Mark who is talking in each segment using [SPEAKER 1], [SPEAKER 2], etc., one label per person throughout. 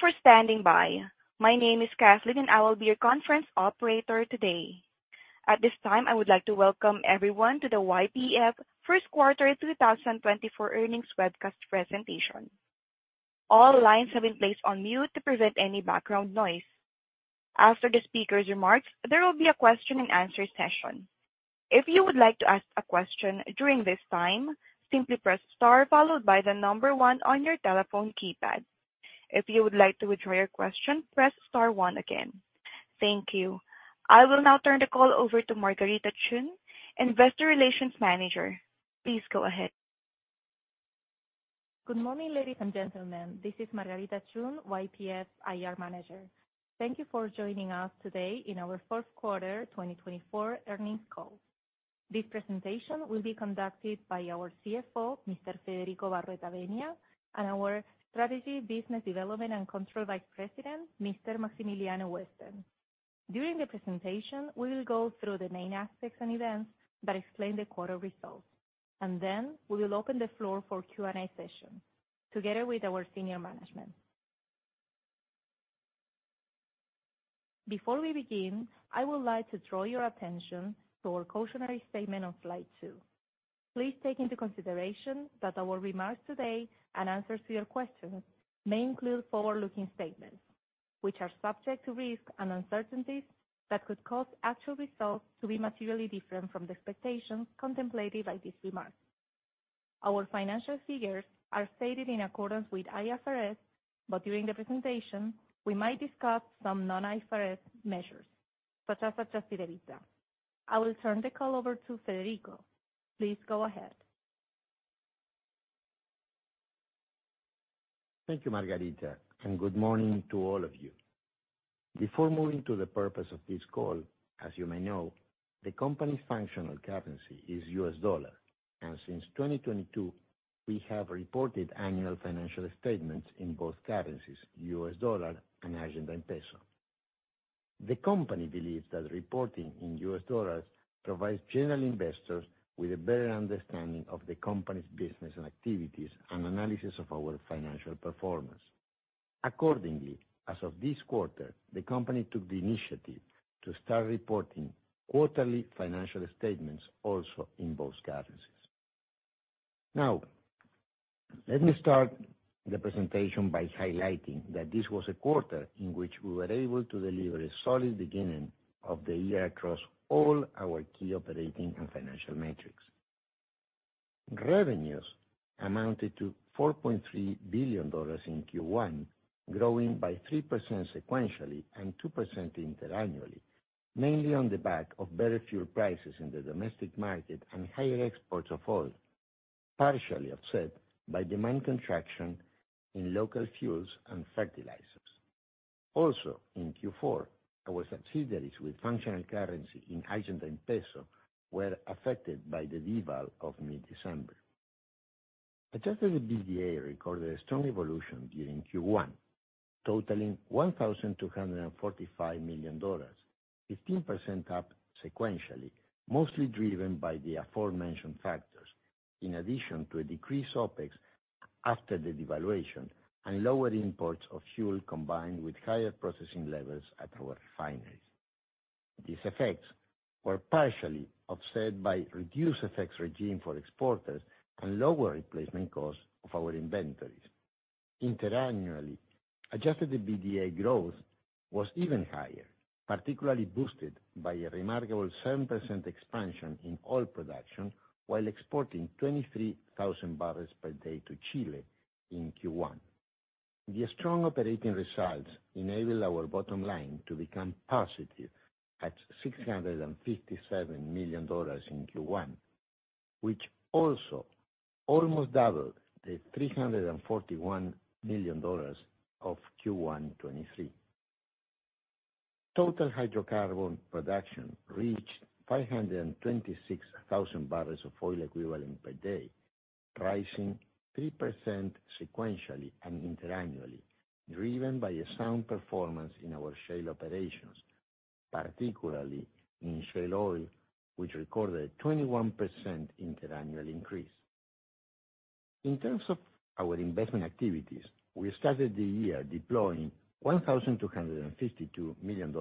[SPEAKER 1] Thank you for standing by. My name is Kathleen, and I will be your conference operator today. At this time, I would like to welcome everyone to the YPF First Quarter 2024 Earnings Webcast Presentation. All lines have been placed on mute to prevent any background noise. After the speaker's remarks, there will be a question and answer session. If you would like to ask a question during this time, simply press Star followed by the number one on your telephone keypad. If you would like to withdraw your question, press Star one again. Thank you. I will now turn the call over to Margarita Chun, Investor Relations Manager. Please go ahead.
[SPEAKER 2] Good morning, ladies and gentlemen. This is Margarita Chun, YPF IR Manager. Thank you for joining us today in our fourth quarter 2024 earnings call. This presentation will be conducted by our CFO, Mr. Federico Barroetaveña, and our Strategy, Business Development, and Control Vice President, Mr. Maximiliano Westen. During the presentation, we will go through the main aspects and events that explain the quarter results, and then we will open the floor for Q&A session together with our senior management. Before we begin, I would like to draw your attention to our cautionary statement on slide two. Please take into consideration that our remarks today and answers to your questions may include forward-looking statements, which are subject to risks and uncertainties that could cause actual results to be materially different from the expectations contemplated by these remarks. Our financial figures are stated in accordance with IFRS, but during the presentation, we might discuss some non-IFRS measures, such as adjusted EBITDA. I will turn the call over to Federico. Please go ahead.
[SPEAKER 3] Thank you, Margarita, and good morning to all of you. Before moving to the purpose of this call, as you may know, the company's functional currency is U.S. dollar, and since 2022, we have reported annual financial statements in both currencies, U.S. dollar and Argentine peso. The company believes that reporting in U.S. dollars provides general investors with a better understanding of the company's business and activities and analysis of our financial performance. Accordingly, as of this quarter, the company took the initiative to start reporting quarterly financial statements also in both currencies. Now, let me start the presentation by highlighting that this was a quarter in which we were able to deliver a solid beginning of the year across all our key operating and financial metrics. Revenues amounted to $4.3 billion in Q1, growing by 3% sequentially and 2% interannually, mainly on the back of better fuel prices in the domestic market and higher exports of oil, partially offset by demand contraction in local fuels and fertilizers. Also, in Q4, our subsidiaries with functional currency in Argentine peso were affected by the deval of mid-December. Adjusted EBITDA recorded a strong evolution during Q1, totaling $1,245 million, 15% up sequentially, mostly driven by the aforementioned factors, in addition to a decreased OpEx after the devaluation and lower imports of fuel, combined with higher processing levels at our refineries. These effects were partially offset by reduced FX regime for exporters and lower replacement costs of our inventories. Interannually, adjusted EBITDA growth was even higher, particularly boosted by a remarkable 7% expansion in oil production while exporting 23,000 barrels per day to Chile in Q1. The strong operating results enabled our bottom line to become positive at $657 million in Q1, which also almost doubled the $341 million of Q1 2023. Total hydrocarbon production reached 526,000 barrels of oil equivalent per day, rising 3% sequentially and interannually, driven by a sound performance in our shale operations, particularly in shale oil, which recorded a 21% interannual increase. In terms of our investment activities, we started the year deploying $1,252 million,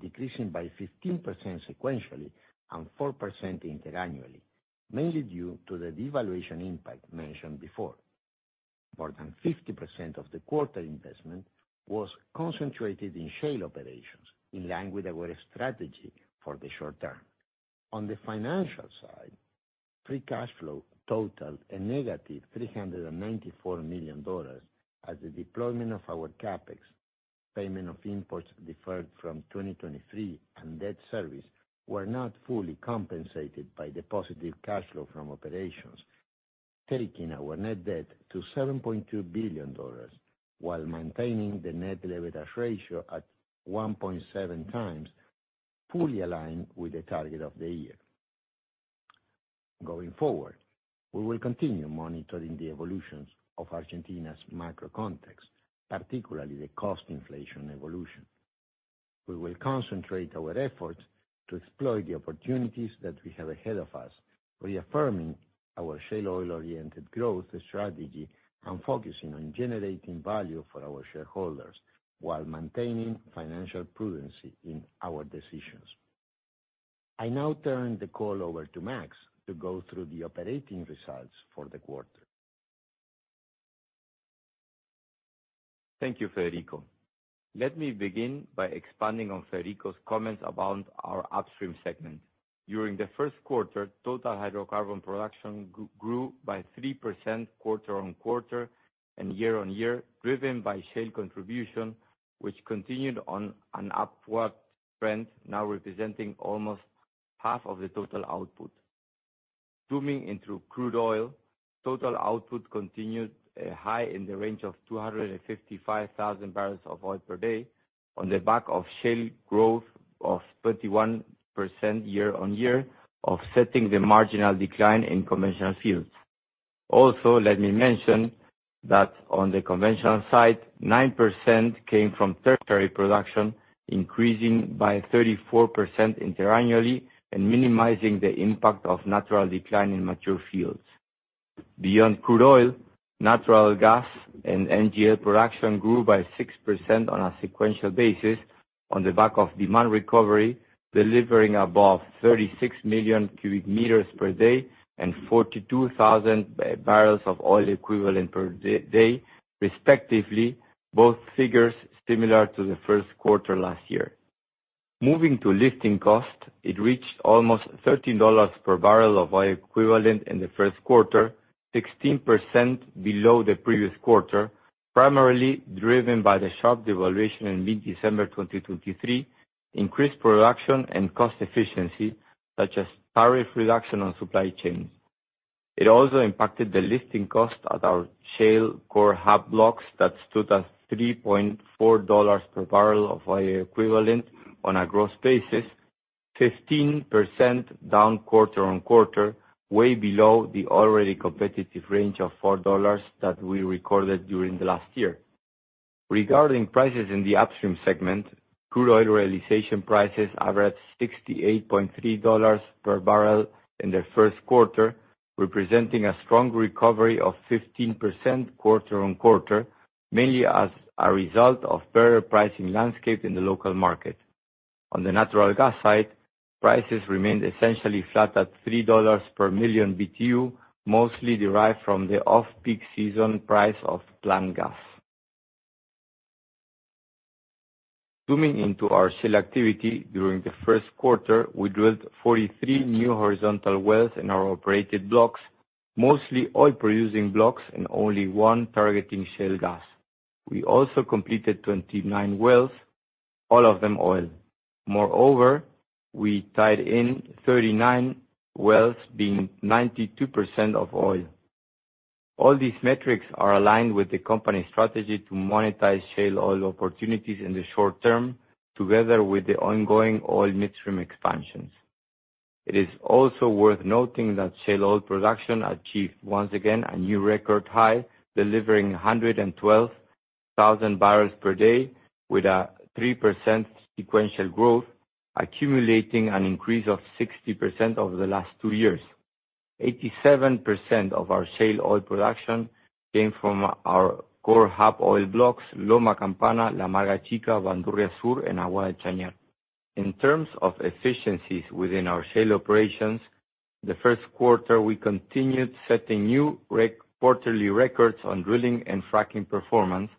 [SPEAKER 3] decreasing by 15% sequentially and 4% interannually, mainly due to the devaluation impact mentioned before. More than 50% of the quarter investment was concentrated in shale operations, in line with our strategy for the short term. On the financial side, free cash flow totaled a negative $394 million, as the deployment of our CapEx, payment of imports deferred from 2023, and debt service were not fully compensated by the positive cash flow from operations, taking our net debt to $7.2 billion, while maintaining the net leverage ratio at 1.7x, fully aligned with the target of the year. Going forward, we will continue monitoring the evolutions of Argentina's macro context, particularly the cost inflation evolution. We will concentrate our efforts to exploit the opportunities that we have ahead of us, reaffirming our shale oil-oriented growth strategy, and focusing on generating value for our shareholders, while maintaining financial prudence in our decisions. I now turn the call over to Max to go through the operating results for the quarter.
[SPEAKER 4] Thank you, Federico. Let me begin by expanding on Federico's comments about our upstream segment. During the first quarter, total hydrocarbon production grew by 3% quarter-on-quarter and year-on-year, driven by shale contribution, which continued on an upward trend, now representing almost half of the total output. Zooming into crude oil, total output continued high in the range of 255,000 barrels of oil per day on the back of shale growth of 31% year-on-year, offsetting the marginal decline in conventional fields. Also, let me mention that on the conventional side, 9% came from tertiary production, increasing by 34% interannually and minimizing the impact of natural decline in mature fields. Beyond crude oil, natural gas and NGL production grew by 6% on a sequential basis on the back of demand recovery, delivering above 36 million cubic meters per day and 42,000 barrels of oil equivalent per day, respectively, both figures similar to the first quarter last year. Moving to lifting cost, it reached almost $13 per barrel of oil equivalent in the first quarter, 16% below the previous quarter, primarily driven by the sharp devaluation in mid-December 2023, increased production and cost efficiency, such as tariff reduction on supply chains. It also impacted the lifting cost at our shale core hub blocks that stood at $3.4 per barrel of oil equivalent on a gross basis, 15% down quarter-on-quarter, way below the already competitive range of $4 that we recorded during the last year. Regarding prices in the upstream segment, crude oil realization prices averaged $68.3 per barrel in the first quarter, representing a strong recovery of 15% quarter-on-quarter, mainly as a result of better pricing landscape in the local market. On the natural gas side, prices remained essentially flat at $3 per million BTU, mostly derived from the off-peak season price of plant gas. Zooming into our shale activity, during the first quarter, we drilled 43 new horizontal wells in our operated blocks, mostly oil-producing blocks and only one targeting shale gas. We also completed 29 wells, all of them oil. Moreover, we tied in 39 wells, being 92% of oil. All these metrics are aligned with the company's strategy to monetize shale oil opportunities in the short term, together with the ongoing oil midstream expansions. It is also worth noting that shale oil production achieved once again a new record high, delivering 112,000 barrels per day with a 3% sequential growth, accumulating an increase of 60% over the last two years. 87% of our shale oil production came from our core hub oil blocks, Loma Campana, La Amarga Chica, Bandurria Sur, and Aguada del Chañar. In terms of efficiencies within our shale operations, the first quarter we continued setting new quarterly records on drilling and fracking performance,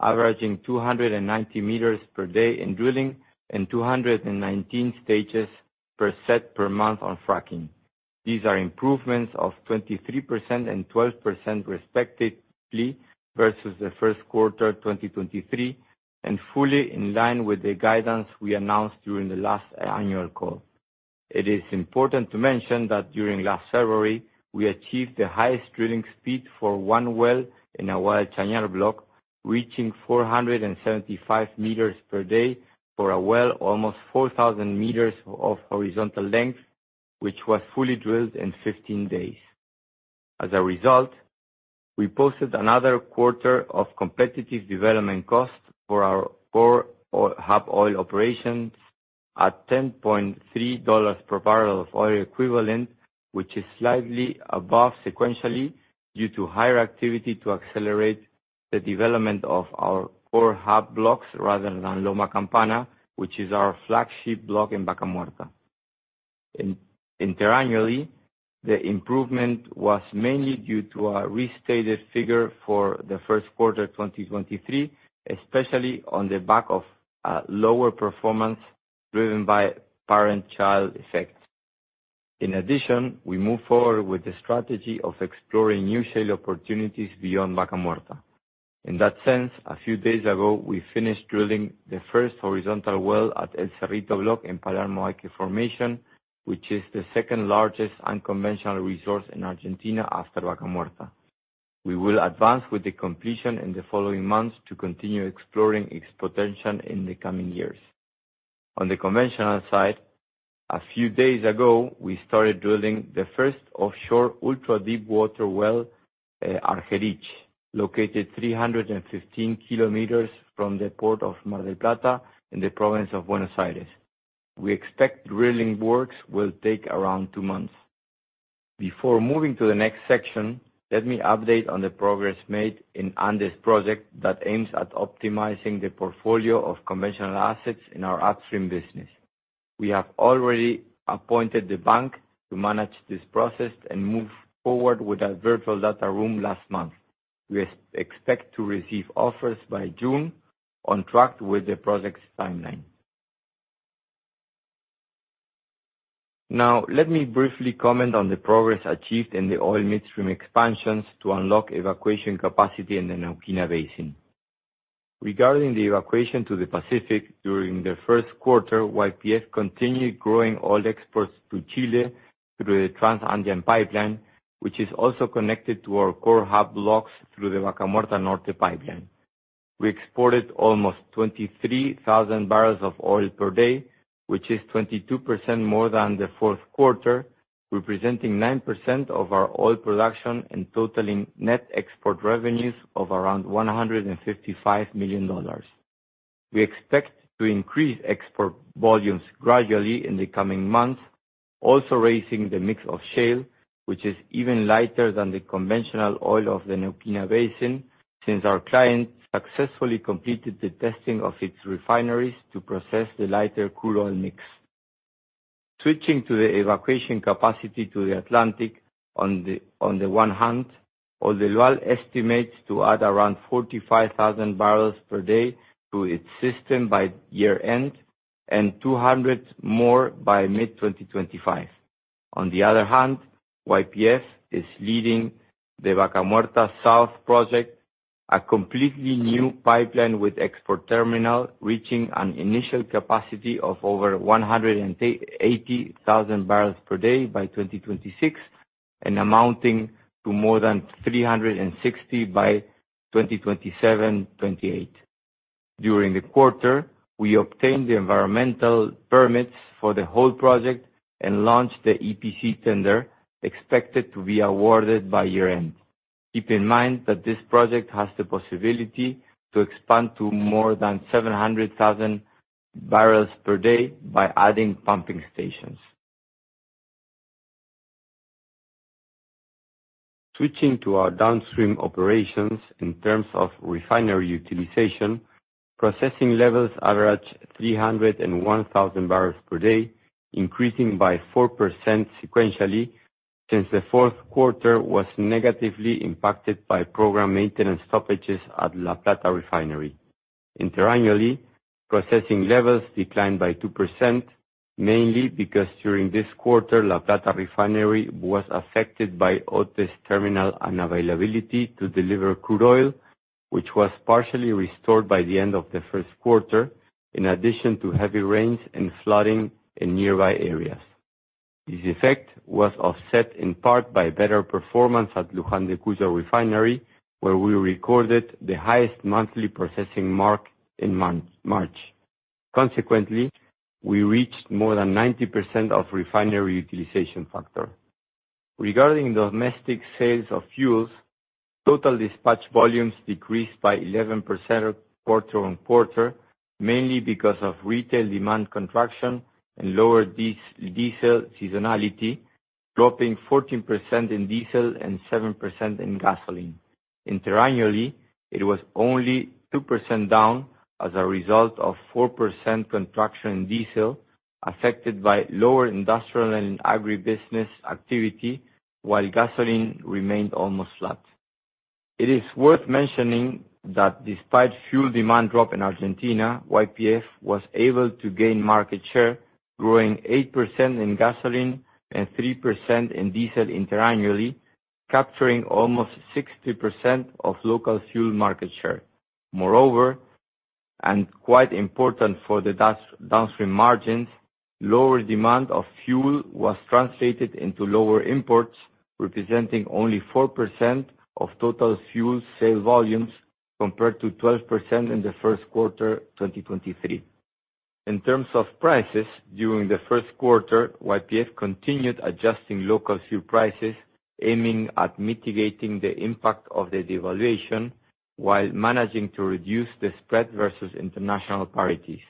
[SPEAKER 4] averaging 290 meters per day in drilling and 219 stages per set per month on fracking. These are improvements of 23% and 12%, respectively, versus the first quarter 2023, and fully in line with the guidance we announced during the last annual call. It is important to mention that during last February, we achieved the highest drilling speed for one well in our Chañar block, reaching 475 meters per day for a well, almost 4,000 meters of horizontal length, which was fully drilled in 15 days. As a result, we posted another quarter of competitive development costs for our core hub oil operations at $10.3 per barrel of oil equivalent, which is slightly above sequentially, due to higher activity to accelerate the development of our core hub blocks rather than Loma Campana, which is our flagship block in Vaca Muerta. Interannually, the improvement was mainly due to a restated figure for the first quarter, 2023, especially on the back of lower performance driven by parent-child effects. In addition, we moved forward with the strategy of exploring new shale opportunities beyond Vaca Muerta. In that sense, a few days ago, we finished drilling the first horizontal well at El Cerrito block in Palermo Aike formation, which is the second-largest unconventional resource in Argentina after Vaca Muerta. We will advance with the completion in the following months to continue exploring its potential in the coming years. On the conventional side. A few days ago, we started drilling the first offshore ultra-deepwater well, Argerich, located 315 kilometers from the port of Mar del Plata in the province of Buenos Aires. We expect drilling works will take around two months. Before moving to the next section, let me update on the progress made in Project Andes that aims at optimizing the portfolio of conventional assets in our upstream business. We have already appointed the bank to manage this process and move forward with a virtual data room last month. We expect to receive offers by June, on track with the project's timeline. Now, let me briefly comment on the progress achieved in the oil midstream expansions to unlock evacuation capacity in the Neuquén Basin. Regarding the evacuation to the Pacific, during the first quarter, YPF continued growing oil exports to Chile through the Trans-Andean Pipeline, which is also connected to our core hub blocks through the Vaca Muerta Norte pipeline. We exported almost 23,000 barrels of oil per day, which is 22% more than the fourth quarter, representing 9% of our oil production and totaling net export revenues of around $155 million. We expect to increase export volumes gradually in the coming months, also raising the mix of shale, which is even lighter than the conventional oil of the Neuquén Basin, since our client successfully completed the testing of its refineries to process the lighter crude oil mix. Switching to the evacuation capacity to the Atlantic, on the one hand, Oldelval estimates to add around 45,000 barrels per day to its system by year-end, and 200 more by mid-2025. On the other hand, YPF is leading the Vaca Muerta South project, a completely new pipeline with export terminal, reaching an initial capacity of over 180,000 barrels per day by 2026, and amounting to more than 360 by 2027-2028. During the quarter, we obtained the environmental permits for the whole project and launched the EPC tender, expected to be awarded by year-end. Keep in mind that this project has the possibility to expand to more than 700,000 barrels per day by adding pumping stations. Switching to our downstream operations in terms of refinery utilization, processing levels averaged 301,000 barrels per day, increasing by 4% sequentially since the fourth quarter was negatively impacted by program maintenance stoppages at La Plata Refinery. Interannually, processing levels declined by 2%, mainly because during this quarter, La Plata Refinery was affected by Otis Terminal unavailability to deliver crude oil, which was partially restored by the end of the first quarter, in addition to heavy rains and flooding in nearby areas. This effect was offset in part by better performance at Luján de Cuyo Refinery, where we recorded the highest monthly processing mark in March. Consequently, we reached more than 90% of refinery utilization factor. Regarding domestic sales of fuels, total dispatch volumes decreased by 11% quarter-on-quarter, mainly because of retail demand contraction and lower diesel seasonality, dropping 14% in diesel and 7% in gasoline. Interannually, it was only 2% down as a result of 4% contraction in diesel, affected by lower industrial and agribusiness activity, while gasoline remained almost flat. It is worth mentioning that despite fuel demand drop in Argentina, YPF was able to gain market share, growing 8% in gasoline and 3% in diesel interannually, capturing almost 60% of local fuel market share. Moreover, and quite important for the downstream margins, lower demand of fuel was translated into lower imports, representing only 4% of total fuel sale volumes, compared to 12% in the first quarter, 2023. In terms of prices, during the first quarter, YPF continued adjusting local fuel prices, aiming at mitigating the impact of the devaluation, while managing to reduce the spread versus international parities.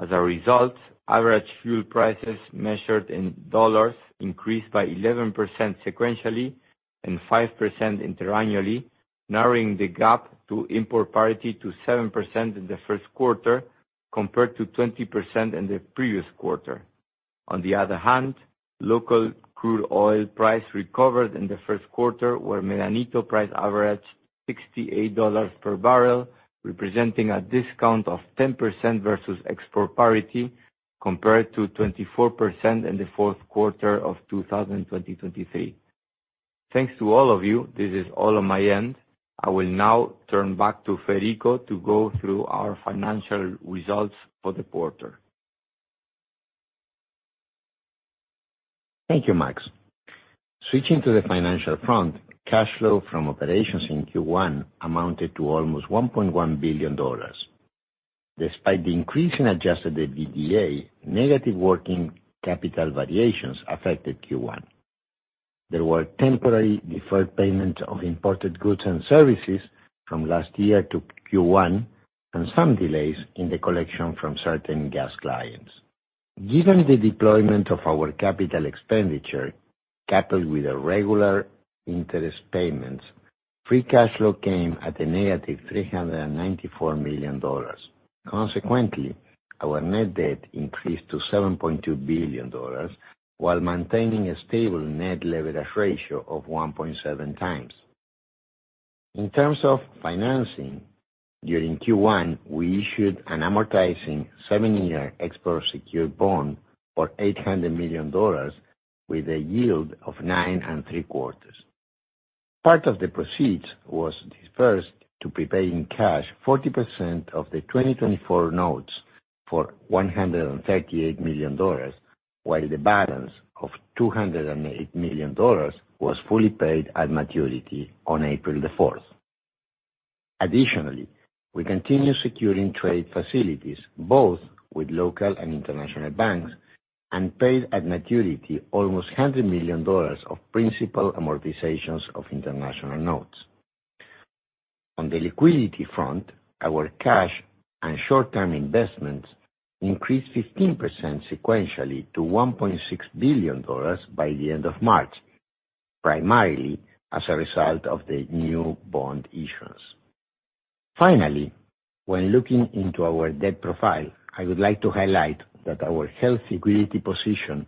[SPEAKER 4] As a result, average fuel prices measured in dollars increased by 11% sequentially, and 5% interannually, narrowing the gap to import parity to 7% in the first quarter, compared to 20% in the previous quarter. On the other hand, local crude oil price recovered in the first quarter, where Medanito price averaged $68 per barrel, representing a discount of 10% versus export parity, compared to 24% in the fourth quarter of 2023. Thanks to all of you. This is all on my end. I will now turn back to Federico to go through our financial results for the quarter.
[SPEAKER 3] Thank you, Max. Switching to the financial front, cash flow from operations in Q1 amounted to almost $1.1 billion. Despite the increase in adjusted EBITDA, negative working capital variations affected Q1. There were temporary deferred payment of imported goods and services from last year to Q1, and some delays in the collection from certain gas clients. Given the deployment of our capital expenditure, coupled with a regular interest payments, Free Cash Flow came at a negative $394 million. Consequently, our net debt increased to $7.2 billion, while maintaining a stable net leverage ratio of 1.7 times. In terms of financing, during Q1, we issued an amortizing seven-year export secured bond for $800 million, with a yield of 9.75%. Part of the proceeds was dispersed to prepay in cash 40% of the 2024 notes for $138 million, while the balance of $208 million was fully paid at maturity on April 4th. Additionally, we continue securing trade facilities, both with local and international banks, and paid at maturity almost $100 million of principal amortizations of international notes. On the liquidity front, our cash and short-term investments increased 15% sequentially to $1.6 billion by the end of March, primarily as a result of the new bond issuance. Finally, when looking into our debt profile, I would like to highlight that our healthy cash position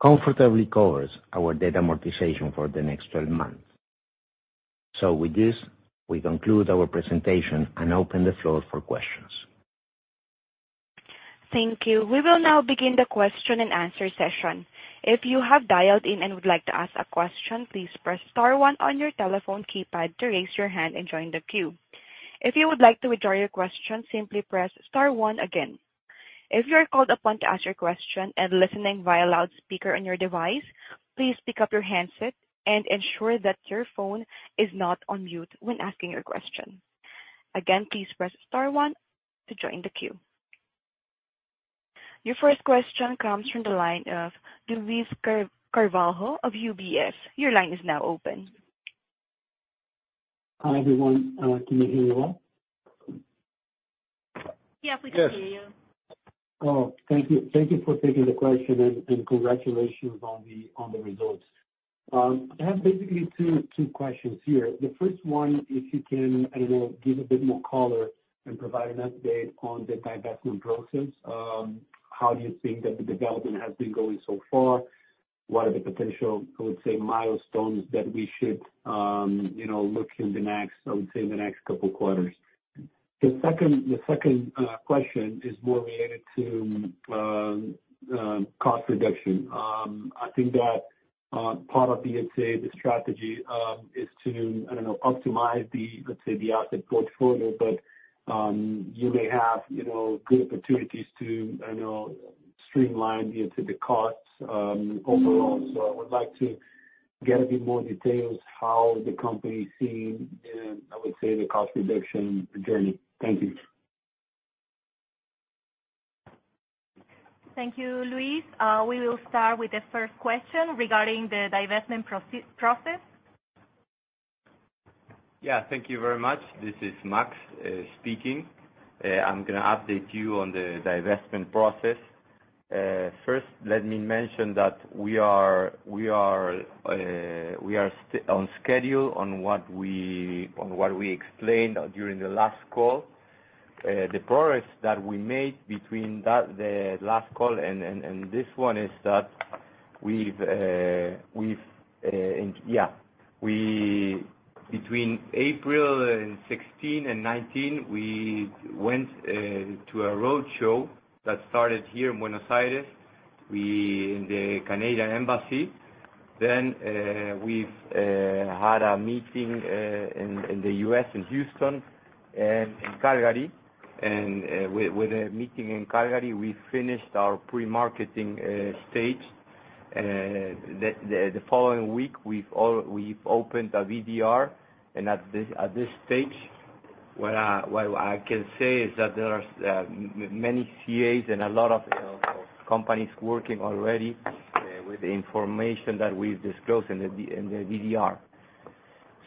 [SPEAKER 3] comfortably covers our debt amortization for the next 12 months. So with this, we conclude our presentation and open the floor for questions.
[SPEAKER 1] Thank you. We will now begin the question and answer session. If you have dialed in and would like to ask a question, please press star one on your telephone keypad to raise your hand and join the queue. If you would like to withdraw your question, simply press star one again. If you are called upon to ask your question and listening via loudspeaker on your device, please pick up your handset and ensure that your phone is not on mute when asking your question. Again, please press star one to join the queue. Your first question comes from the line of Luiz Carvalho of UBS. Your line is now open.
[SPEAKER 5] Hi, everyone. Can you hear me well?
[SPEAKER 1] Yeah, we can hear you.
[SPEAKER 4] Yes.
[SPEAKER 5] Oh, thank you. Thank you for taking the question, and congratulations on the results. I have basically two questions here. The first one, if you can, I don't know, give a bit more color and provide an update on the divestment process. How do you think that the development has been going so far? What are the potential, I would say, milestones that we should, you know, look in the next, I would say, the next couple quarters? The second question is more related to cost reduction. I think that part of the, let's say, the strategy is to, I don't know, optimize the, let's say, the asset portfolio, but you may have, you know, good opportunities to, I know, streamline the, to the costs, overall. I would like to get a bit more details how the company is seeing, I would say, the cost reduction journey. Thank you.
[SPEAKER 2] Thank you, Luiz. We will start with the first question regarding the divestment process.
[SPEAKER 4] Yeah. Thank you very much. This is Max speaking. I'm gonna update you on the divestment process. First, let me mention that we are on schedule on what we explained during the last call. The progress that we made between the last call and this one is that we've... Yeah, between April 16 and 19, we went to a roadshow that started here in Buenos Aires, in the Canadian Embassy. Then, we've had a meeting in the U.S., in Houston and in Calgary. And with the meeting in Calgary, we finished our pre-marketing stage. The following week, we've opened a VDR, and at this stage, what I can say is that there are many CAs and a lot of companies working already with the information that we've disclosed in the VDR.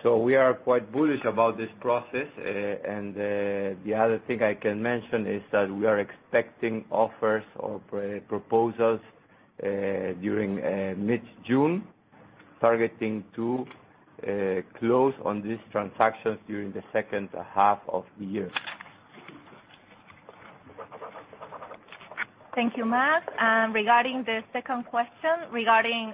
[SPEAKER 4] So we are quite bullish about this process. And the other thing I can mention is that we are expecting offers or proposals during mid-June, targeting to close on these transactions during the second half of the year.
[SPEAKER 2] Thank you, Max. Regarding the second question regarding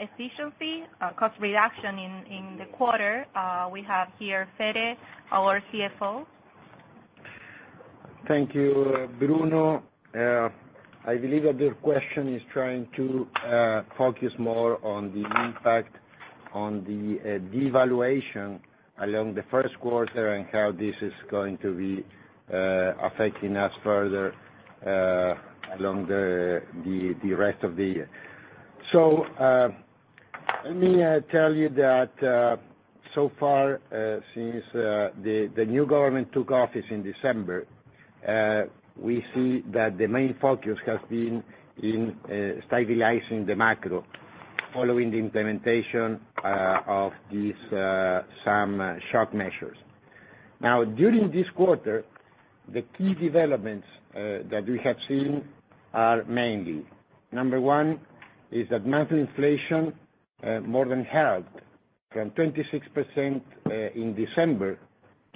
[SPEAKER 2] efficiency, cost reduction in the quarter, we have here Fede, our CFO.
[SPEAKER 3] Thank you, Bruno. I believe that the question is trying to focus more on the impact-... on the devaluation in the first quarter and how this is going to be affecting us further along the rest of the year. So, let me tell you that, so far, since the new government took office in December, we see that the main focus has been in stabilizing the macro, following the implementation of these some shock measures. Now, during this quarter, the key developments that we have seen are mainly: number one, is that monthly inflation more than halved from 26% in December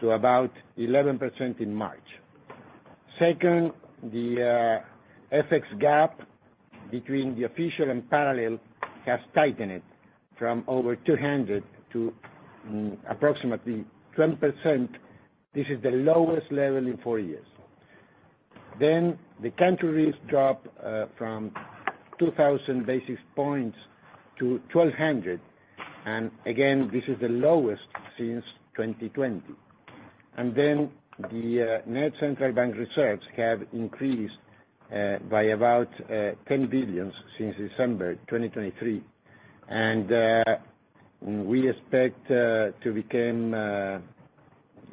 [SPEAKER 3] to about 11% in March. Second, the FX gap between the official and parallel has tightened from over 200% to approximately 10%. This is the lowest level in four years. Then the country risk dropped from 2000 basis points to 1200, and again, this is the lowest since 2020. And then the net central bank reserves have increased by about $10 billion since December 2023. And we expect to become,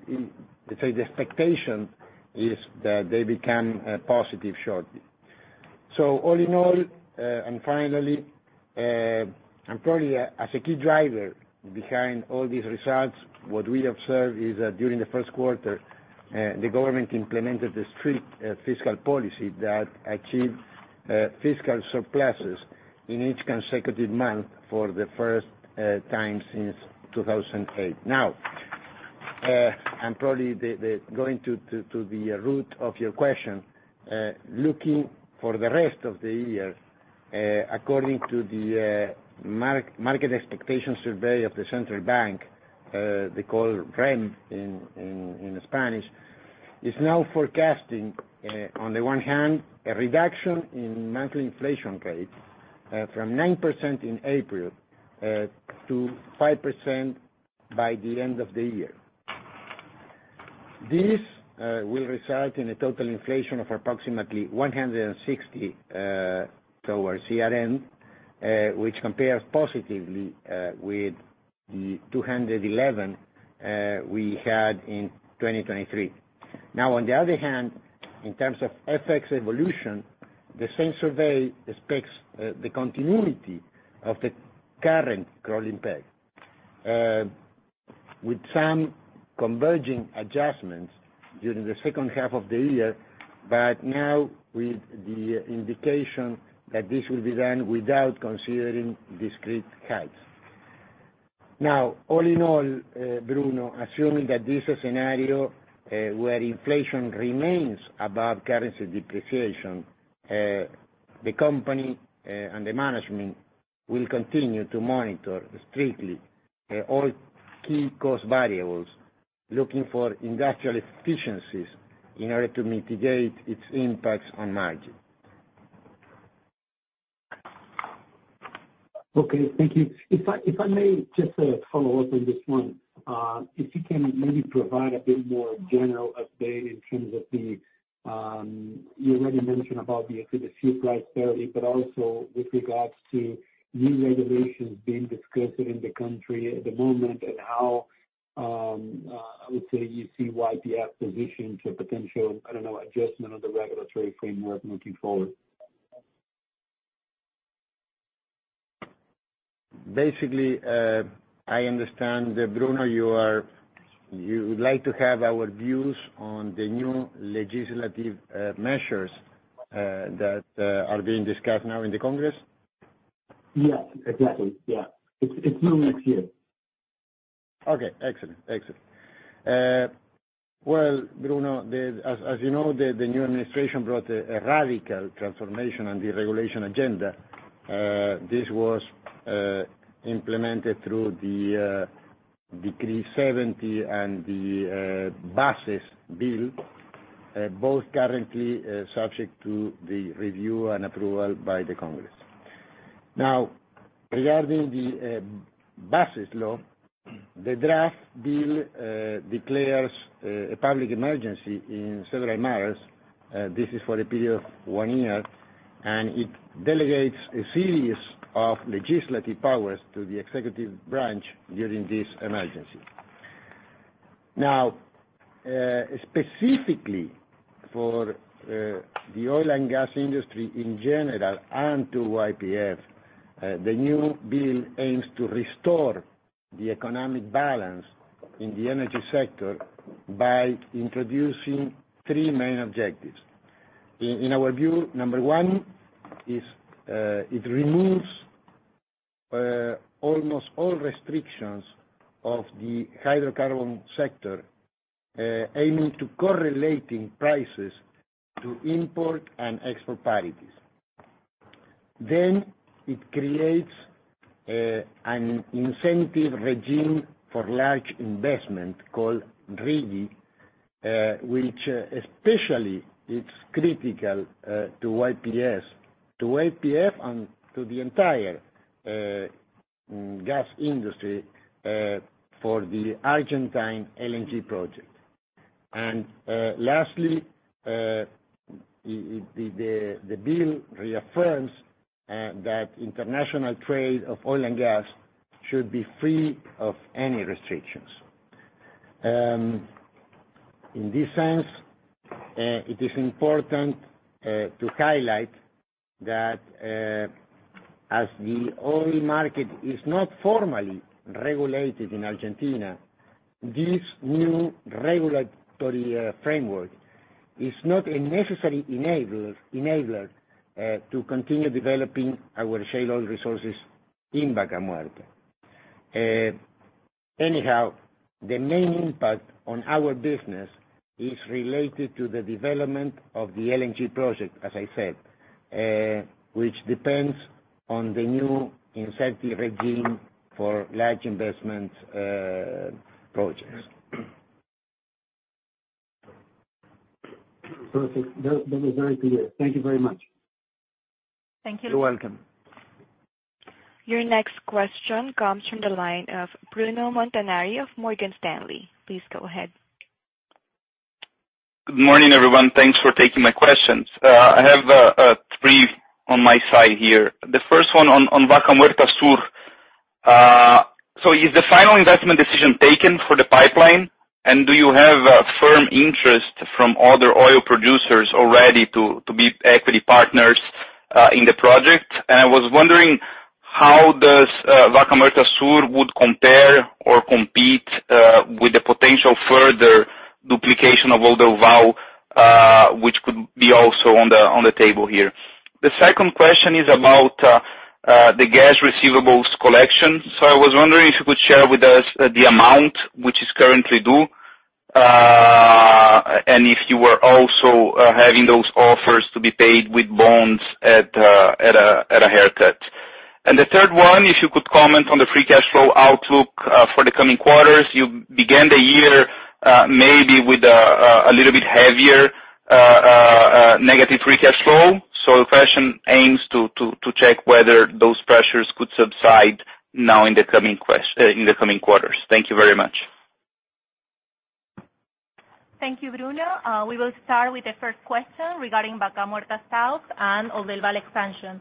[SPEAKER 3] let's say the expectation is that they become positive shortly. So all in all, and finally, and probably as a key driver behind all these results, what we observed is that during the first quarter, the government implemented a strict fiscal policy that achieved fiscal surpluses in each consecutive month for the first time since 2008. Now, and probably the going to the root of your question, looking for the rest of the year, according to the market expectations survey of the central bank, they call REM in Spanish, is now forecasting, on the one hand, a reduction in monthly inflation rates from 9% in April to 5% by the end of the year. This will result in a total inflation of approximately 160%, our REM, which compares positively with the 211% we had in 2023. Now, on the other hand, in terms of FX evolution, the same survey expects the continuity of the current crawling peg with some converging adjustments during the second half of the year, but now with the indication that this will be done without considering discrete cuts. Now, all in all, Bruno, assuming that this is a scenario where inflation remains above currency depreciation, the company and the management will continue to monitor strictly all key cost variables, looking for industrial efficiencies in order to mitigate its impacts on margin.
[SPEAKER 5] Okay, thank you. If I, if I may just follow up on this one. If you can maybe provide a bit more general update in terms of the you already mentioned about the excess fuel price parity, but also with regards to new regulations being discussed in the country at the moment, and how I would say you see YPF positioned to potential, I don't know, adjustment of the regulatory framework moving forward?
[SPEAKER 3] Basically, I understand that, Bruno, you would like to have our views on the new legislative measures that are being discussed now in the Congress?
[SPEAKER 5] Yes, exactly. Yeah. It's new next year.
[SPEAKER 3] Okay. Excellent. Excellent. Well, Bruno, as you know, the new administration brought a radical transformation on the regulation agenda. This was implemented through the Decree 70 and the Bases Bill, both currently subject to the review and approval by the Congress. Now, regarding the Bases Law, the draft bill declares a public emergency in several matters. This is for a period of one year, and it delegates a series of legislative powers to the executive branch during this emergency. Now, specifically for the oil and gas industry in general, and to YPF, the new bill aims to restore the economic balance in the energy sector by introducing three main objectives. In our view, number one is it removes almost all restrictions of the hydrocarbon sector, aiming to correlating prices to import and export parities. Then it creates an incentive regime for large investment called RIGI, which especially it's critical to YPF, to YPF and to the entire gas industry for the Argentine LNG project. And lastly, the bill reaffirms that international trade of oil and gas should be free of any restrictions. In this sense, it is important to highlight that as the oil market is not formally regulated in Argentina, this new regulatory framework is not a necessary enabler to continue developing our shale oil resources in Vaca Muerta. Anyhow, the main impact on our business is related to the development of the LNG project, as I said, which depends on the new incentive regime for large investment projects.
[SPEAKER 5] Perfect. That was very clear. Thank you very much.
[SPEAKER 2] Thank you.
[SPEAKER 3] You're welcome.
[SPEAKER 1] Your next question comes from the line of Bruno Montanari of Morgan Stanley. Please go ahead.
[SPEAKER 6] Good morning, everyone. Thanks for taking my questions. I have three on my side here. The first one on Vaca Muerta Sur. So is the final investment decision taken for the pipeline? And do you have a firm interest from other oil producers already to be equity partners in the project? And I was wondering, how does Vaca Muerta Sur would compare or compete with the potential further duplication of all the value, which could be also on the table here? The second question is about the gas receivables collection. So I was wondering if you could share with us the amount which is currently due, and if you were also having those offers to be paid with bonds at a haircut. And the third one, if you could comment on the free cash flow outlook for the coming quarters. You began the year, maybe with a little bit heavier negative free cash flow. So the question aims to check whether those pressures could subside now in the coming quarters. Thank you very much.
[SPEAKER 2] Thank you, Bruno. We will start with the first question regarding Vaca Muerta Sur and Oldeval expansion.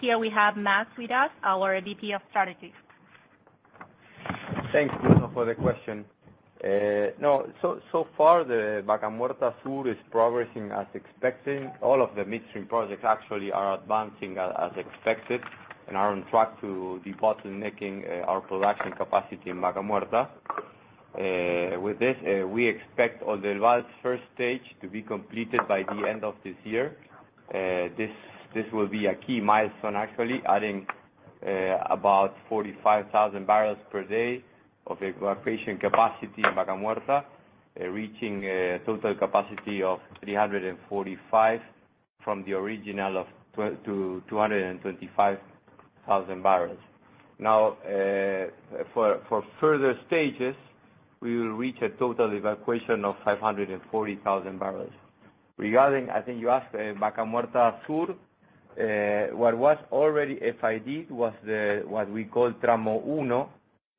[SPEAKER 2] Here we have Max with us, our VP of Strategy.
[SPEAKER 4] Thanks, Bruno, for the question. No, so, so far, the Vaca Muerta Sur is progressing as expected. All of the midstream projects actually are advancing as expected and are on track to bottlenecking our production capacity in Vaca Muerta. With this, we expect Oldeval's first stage to be completed by the end of this year. This will be a key milestone actually, adding about 45,000 barrels per day of evacuation capacity in Vaca Muerta, reaching a total capacity of 345 from the original of 200-225 thousand barrels. Now, for further stages, we will reach a total evacuation of 540,000 barrels. Regarding, I think you asked, Vaca Muerta Sur, what was already FID was the, what we call Tramo Uno.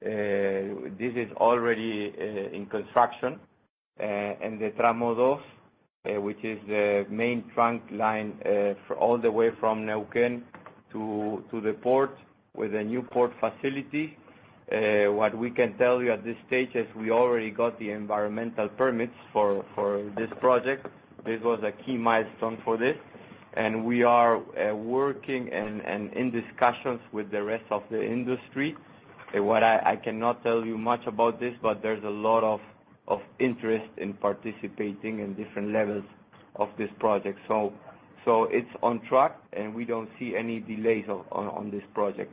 [SPEAKER 4] This is already in construction, and the Tramo Dos, which is the main trunk line, all the way from Neuquén to the port, with a new port facility. What we can tell you at this stage is we already got the environmental permits for this project. This was a key milestone for this, and we are working and in discussions with the rest of the industry. What I cannot tell you much about this, but there's a lot of interest in participating in different levels of this project. So it's on track, and we don't see any delays on this project.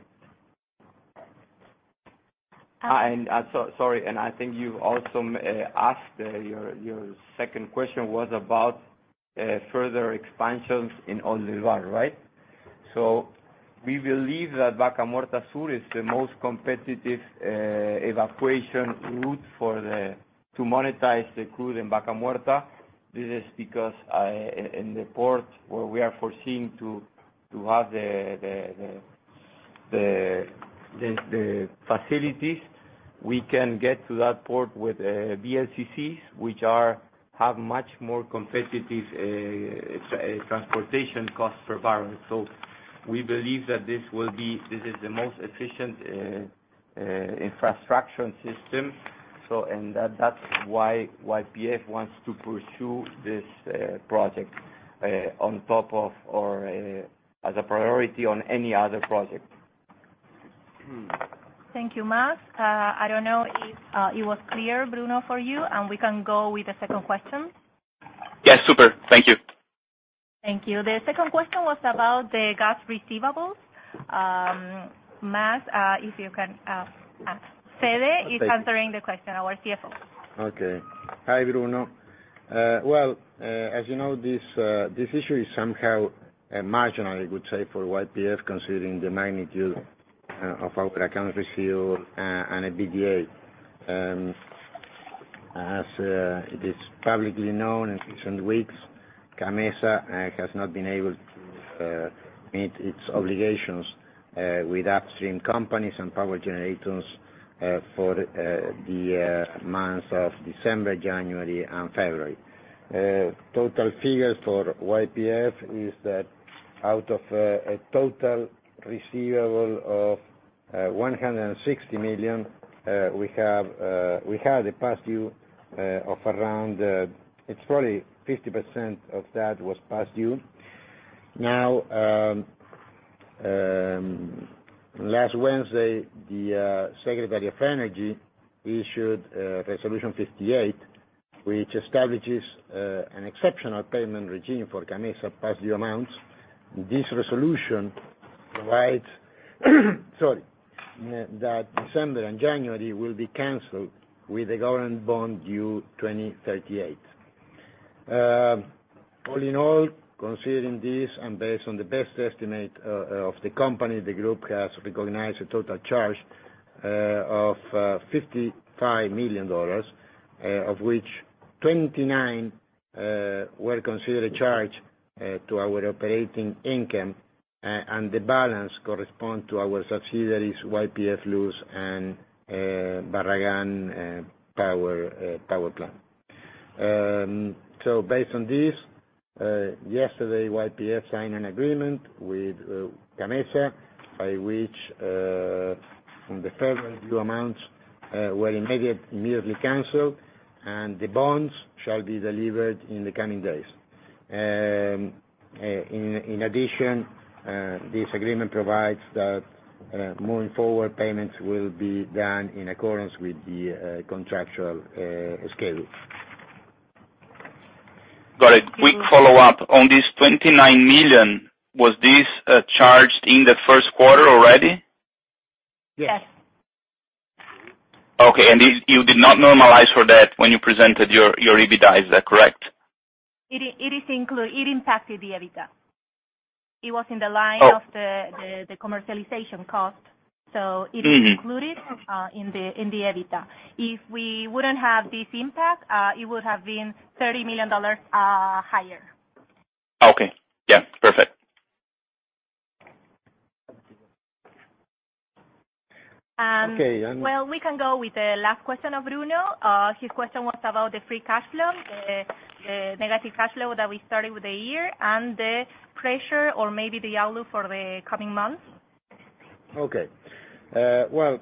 [SPEAKER 4] And sorry, and I think you also asked your second question was about further expansions in Oldeval, right? So we believe that Vaca Muerta Sur is the most competitive evacuation route for to monetize the crude in Vaca Muerta. This is because in the port where we are foreseeing to have the facilities, we can get to that port with VLCCs, which have much more competitive transportation costs per barrel. So we believe that this will be, this is the most efficient infrastructure system. So and that, that's why YPF wants to pursue this project, on top of or as a priority on any other project.
[SPEAKER 2] Thank you, Max. I don't know if it was clear, Bruno, for you, and we can go with the second question.
[SPEAKER 6] Yes, super. Thank you.
[SPEAKER 2] Thank you. The second question was about the gas receivables. Max, if you can, Fede is answering the question, our CFO.
[SPEAKER 3] Okay. Hi, Bruno. Well, as you know, this issue is somehow marginal, I would say, for YPF, considering the magnitude of our account receivable and EBITDA. As it is publicly known in recent weeks, CAMMESA has not been able to meet its obligations with upstream companies and power generators for the months of December, January and February. Total figures for YPF is that out of a total receivable of $160 million, we have, we had a past due of around, it's probably 50% of that was past due. Now, last Wednesday, the Secretary of Energy issued Resolution 58, which establishes an exceptional payment regime for CAMMESA past due amounts. This resolution provides, sorry, that December and January will be canceled with a government bond due 2038. All in all, considering this, and based on the best estimate of the company, the group has recognized a total charge of $55 million, of which 29 were considered a charge to our operating income, and the balance correspond to our subsidiaries, YPF Luz and Barragán Power Plant. So based on this, yesterday, YPF signed an agreement with CAMMESA, by which on the February due amounts were immediately canceled, and the bonds shall be delivered in the coming days. In addition, this agreement provides that, moving forward, payments will be done in accordance with the contractual schedule.
[SPEAKER 6] Got it. Quick follow-up. On this $29 million, was this charged in the first quarter already?
[SPEAKER 3] Yes.
[SPEAKER 2] Yes.
[SPEAKER 6] Okay. And this, you did not normalize for that when you presented your EBITDA, is that correct?
[SPEAKER 2] It impacted the EBITDA. It was in the line-
[SPEAKER 6] Oh-...
[SPEAKER 2] of the commercialization cost. So-
[SPEAKER 6] Mm-hmm...
[SPEAKER 2] it is included in the EBITDA. If we wouldn't have this impact, it would have been $30 million higher.
[SPEAKER 6] Okay. Yeah, perfect.
[SPEAKER 3] Thank you.
[SPEAKER 2] Um-
[SPEAKER 3] Okay, and-
[SPEAKER 2] Well, we can go with the last question of Bruno. His question was about the free cash flow, the negative cash flow that we started with the year, and the pressure or maybe the outlook for the coming months.
[SPEAKER 3] Okay. Well,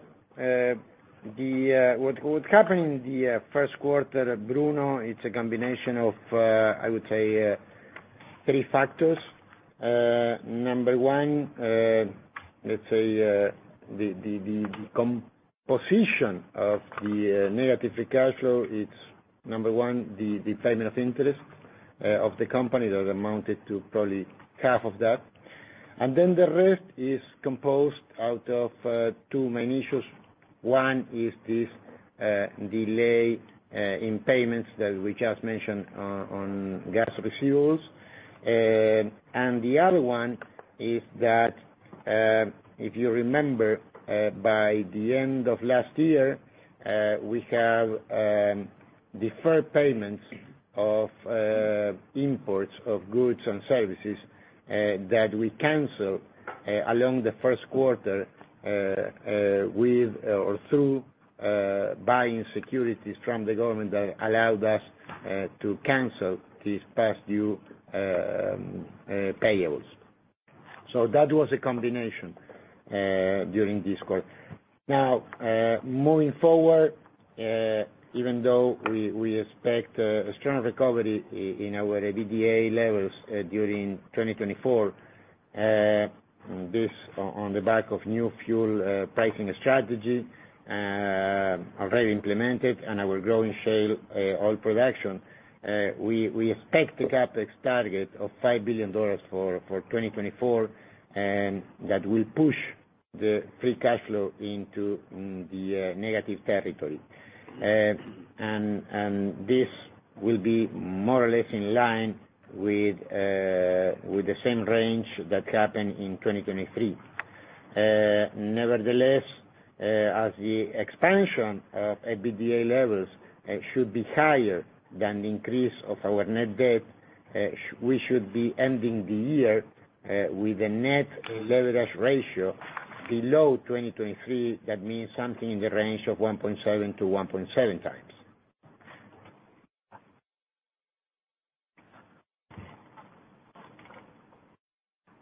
[SPEAKER 3] what happened in the first quarter, Bruno, it's a combination of, I would say, three factors. Number one, let's say, the composition of the negative free cash flow, it's number one, the payment of interest of the company that amounted to probably half of that. And then the rest is composed out of two main issues. One is this delay in payments that we just mentioned on gas and fuels. And the other one is that, if you remember, by the end of last year, we have deferred payments of imports of goods and services that we canceled along the first quarter with or through buying securities from the government that allowed us to cancel these past due payouts. So that was a combination during this quarter. Now, moving forward, even though we expect a strong recovery in our EBITDA levels during 2024, this on the back of new fuel pricing strategy are very implemented and our growing shale oil production, we expect a CapEx target of $5 billion for 2024, and that will push the free cash flow into the negative territory. This will be more or less in line with the same range that happened in 2023. Nevertheless, as the expansion of EBITDA levels should be higher than the increase of our net debt, we should be ending the year with a net leverage ratio below 2023. That means something in the range of 1.6x-1.7x.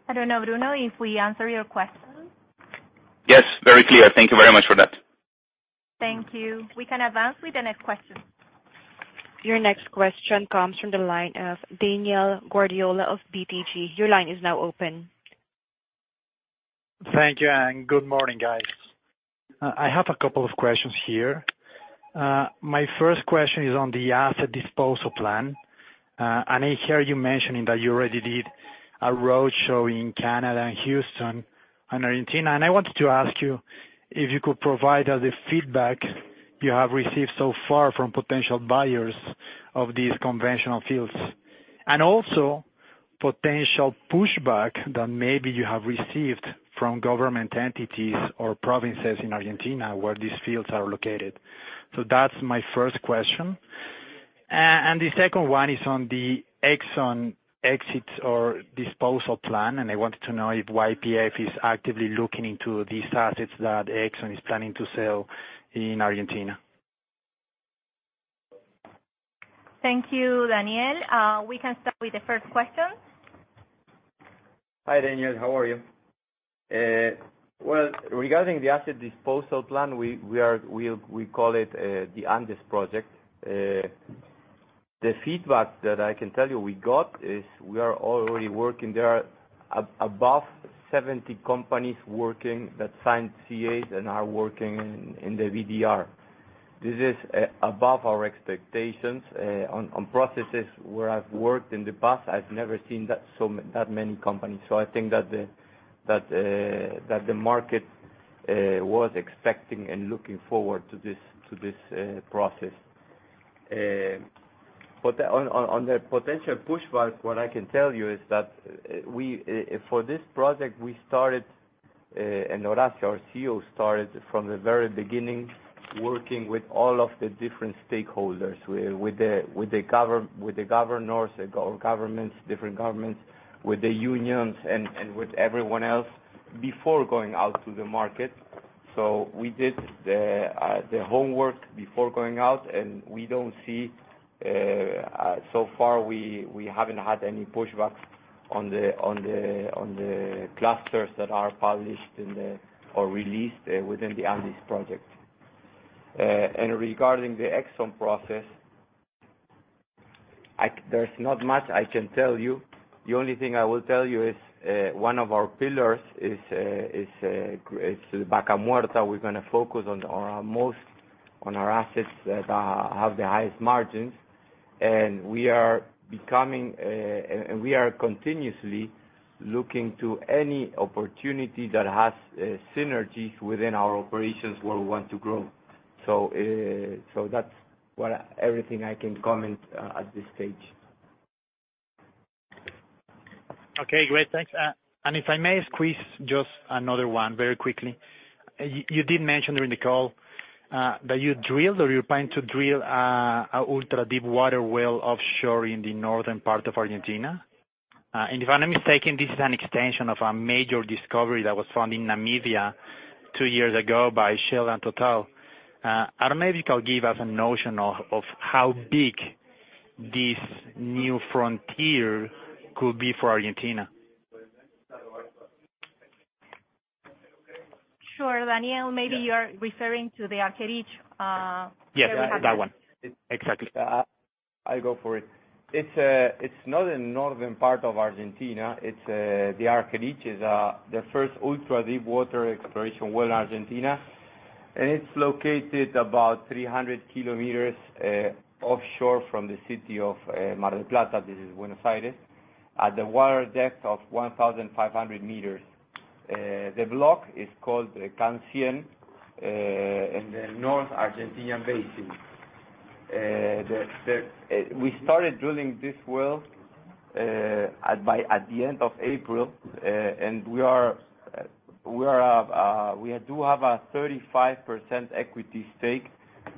[SPEAKER 2] I don't know, Bruno, if we answered your question?
[SPEAKER 6] Yes, very clear. Thank you very much for that.
[SPEAKER 2] Thank you. We can advance with the next question.
[SPEAKER 1] Your next question comes from the line of Daniel Guardiola of BTG. Your line is now open.
[SPEAKER 7] Thank you, and good morning, guys. I have a couple of questions here. My first question is on the asset disposal plan. And I hear you mentioning that you already did a roadshow in Canada and Houston and Argentina, and I wanted to ask you if you could provide us the feedback you have received so far from potential buyers of these conventional fields. And also potential pushback that maybe you have received from government entities or provinces in Argentina, where these fields are located? So that's my first question. And the second one is on the Exxon exit or disposal plan, and I wanted to know if YPF is actively looking into these assets that Exxon is planning to sell in Argentina.
[SPEAKER 2] Thank you, Daniel. We can start with the first question.
[SPEAKER 3] Hi, Daniel. How are you? Well, regarding the asset disposal plan, we call it the Andes Project. The feedback that I can tell you we got is we are already working there, above 70 companies working that signed CA and are working in the VDR. This is above our expectations. On processes where I've worked in the past, I've never seen that so that many companies. So I think that the market was expecting and looking forward to this process. But on the potential pushback, what I can tell you is that for this project, we started, and Horacio, our CEO, started from the very beginning, working with all of the different stakeholders, with the governors, different governments, with the unions and with everyone else, before going out to the market. So we did the homework before going out, and we don't see... So far, we haven't had any pushbacks on the clusters that are published or released within the Project Andes. And regarding the Exxon process, there's not much I can tell you. The only thing I will tell you is one of our pillars is Vaca Muerta. We're gonna focus most on our assets that have the highest margins, and we are becoming and we are continuously looking to any opportunity that has synergies within our operations where we want to grow. So, that's everything I can comment at this stage.
[SPEAKER 7] Okay, great. Thanks. And if I may squeeze just another one very quickly. You did mention during the call that you drilled or you're planning to drill a ultra-deep water well offshore in the northern part of Argentina. And if I'm not mistaken, this is an extension of a major discovery that was found in Namibia two years ago by Shell and Total. And maybe you can give us a notion of how big this new frontier could be for Argentina?
[SPEAKER 2] Sure, Daniel. Maybe you are referring to the Argerich.
[SPEAKER 7] Yes, that one. Exactly.
[SPEAKER 3] I'll go for it. It's not in northern part of Argentina. It's the Argerich is the first ultra-deep water exploration well in Argentina, and it's located about 300 kilometers offshore from the city of Mar del Plata. This is Buenos Aires, at the water depth of 1,500 meters. The block is called CAN-100 in the North Argentine Basin. We started drilling this well at the end of April. And we do have a 35% equity stake.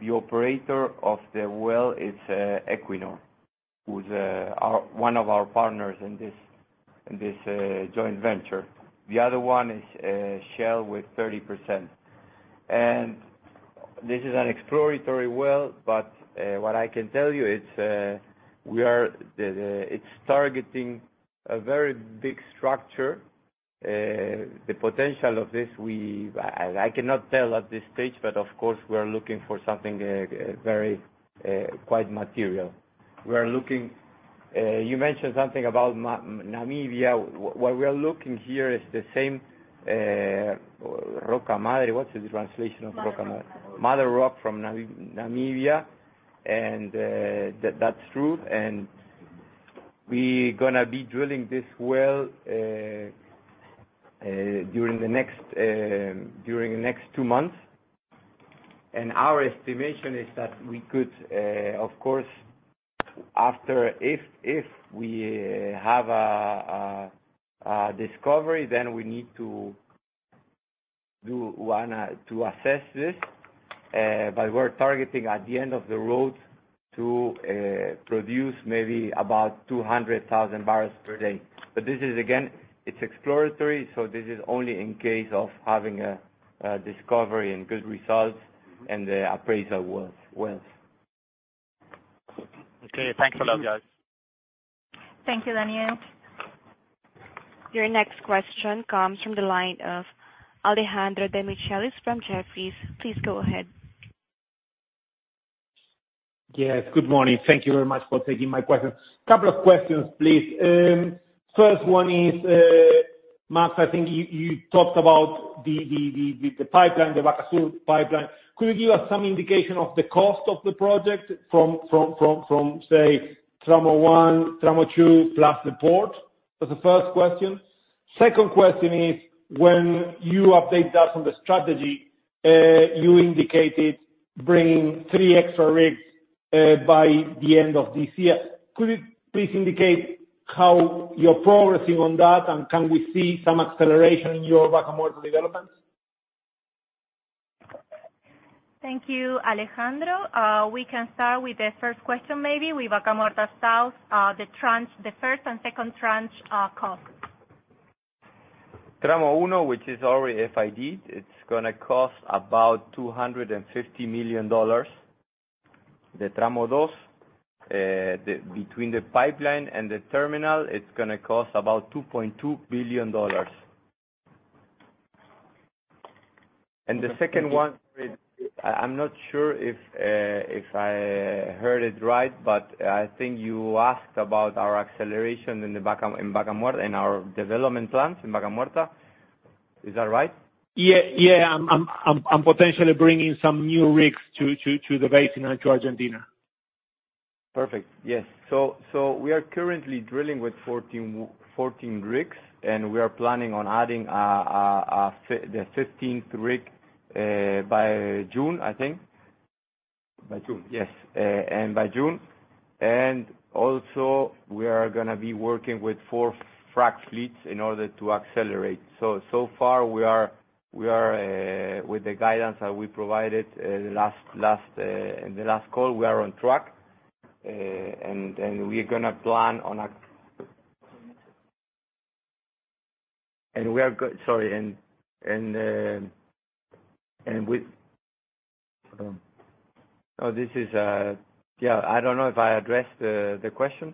[SPEAKER 3] The operator of the well is Equinor, who's one of our partners in this joint venture. The other one is Shell with 30%. This is an exploratory well, but what I can tell you, it's targeting a very big structure. The potential of this I cannot tell at this stage, but of course, we are looking for something very quite material. We are looking -- You mentioned something about Namibia. What we are looking here is the same Roca Madre. What's the translation of Roca Madre? Mother-of-Rock. Mother rock from Namibia, and that's true. And we're gonna be drilling this well during the next two months. And our estimation is that we could, of course, after... If we have a discovery, then we need to do one to assess this. But we're targeting at the end of the road to produce maybe about 200,000 barrels per day. But this is again, it's exploratory, so this is only in case of having a discovery and good results in the appraisal wells.
[SPEAKER 7] Okay. Thanks a lot, guys.
[SPEAKER 2] Thank you, Daniel.
[SPEAKER 1] Your next question comes from the line of Alejandro Demichelis from Jefferies. Please go ahead.
[SPEAKER 8] Yes, good morning. Thank you very much for taking my questions. Couple of questions, please. First one is, Max, I think you talked about the pipeline, the Vaca Muerta pipeline. Could you give us some indication of the cost of the project from, say, Tramo 1, Tramo 2, plus the port? That's the first question. Second question is, when you update us on the strategy, you indicated bringing three extra rigs by the end of this year. Could you please indicate how you're progressing on that, and can we see some acceleration in your Vaca Muerta developments?
[SPEAKER 2] Thank you, Alejandro. We can start with the first question maybe, with Vaca Muerta South, the tranche, the first and second tranche, cost.
[SPEAKER 4] Tramo uno, which is already FID'd, it's gonna cost about $250 million. The Tramo dos, the, between the pipeline and the terminal, it's gonna cost about $2.2 billion. And the second one, I, I'm not sure if, if I heard it right, but I think you asked about our acceleration in the Vaca Muerta and our development plans in Vaca Muerta. Is that right?
[SPEAKER 8] Yeah, yeah, and potentially bringing some new rigs to the basin and to Argentina.
[SPEAKER 3] Perfect. Yes. So we are currently drilling with 14 rigs, and we are planning on adding the 15th rig by June, I think. By June, yes. And by June. And also, we are gonna be working with four frack fleets in order to accelerate. So far, we are with the guidance that we provided in the last call, we are on track. And we're gonna plan on a... And we are - sorry, and, and, and we - Oh, this is... Yeah, I don't know if I addressed the question.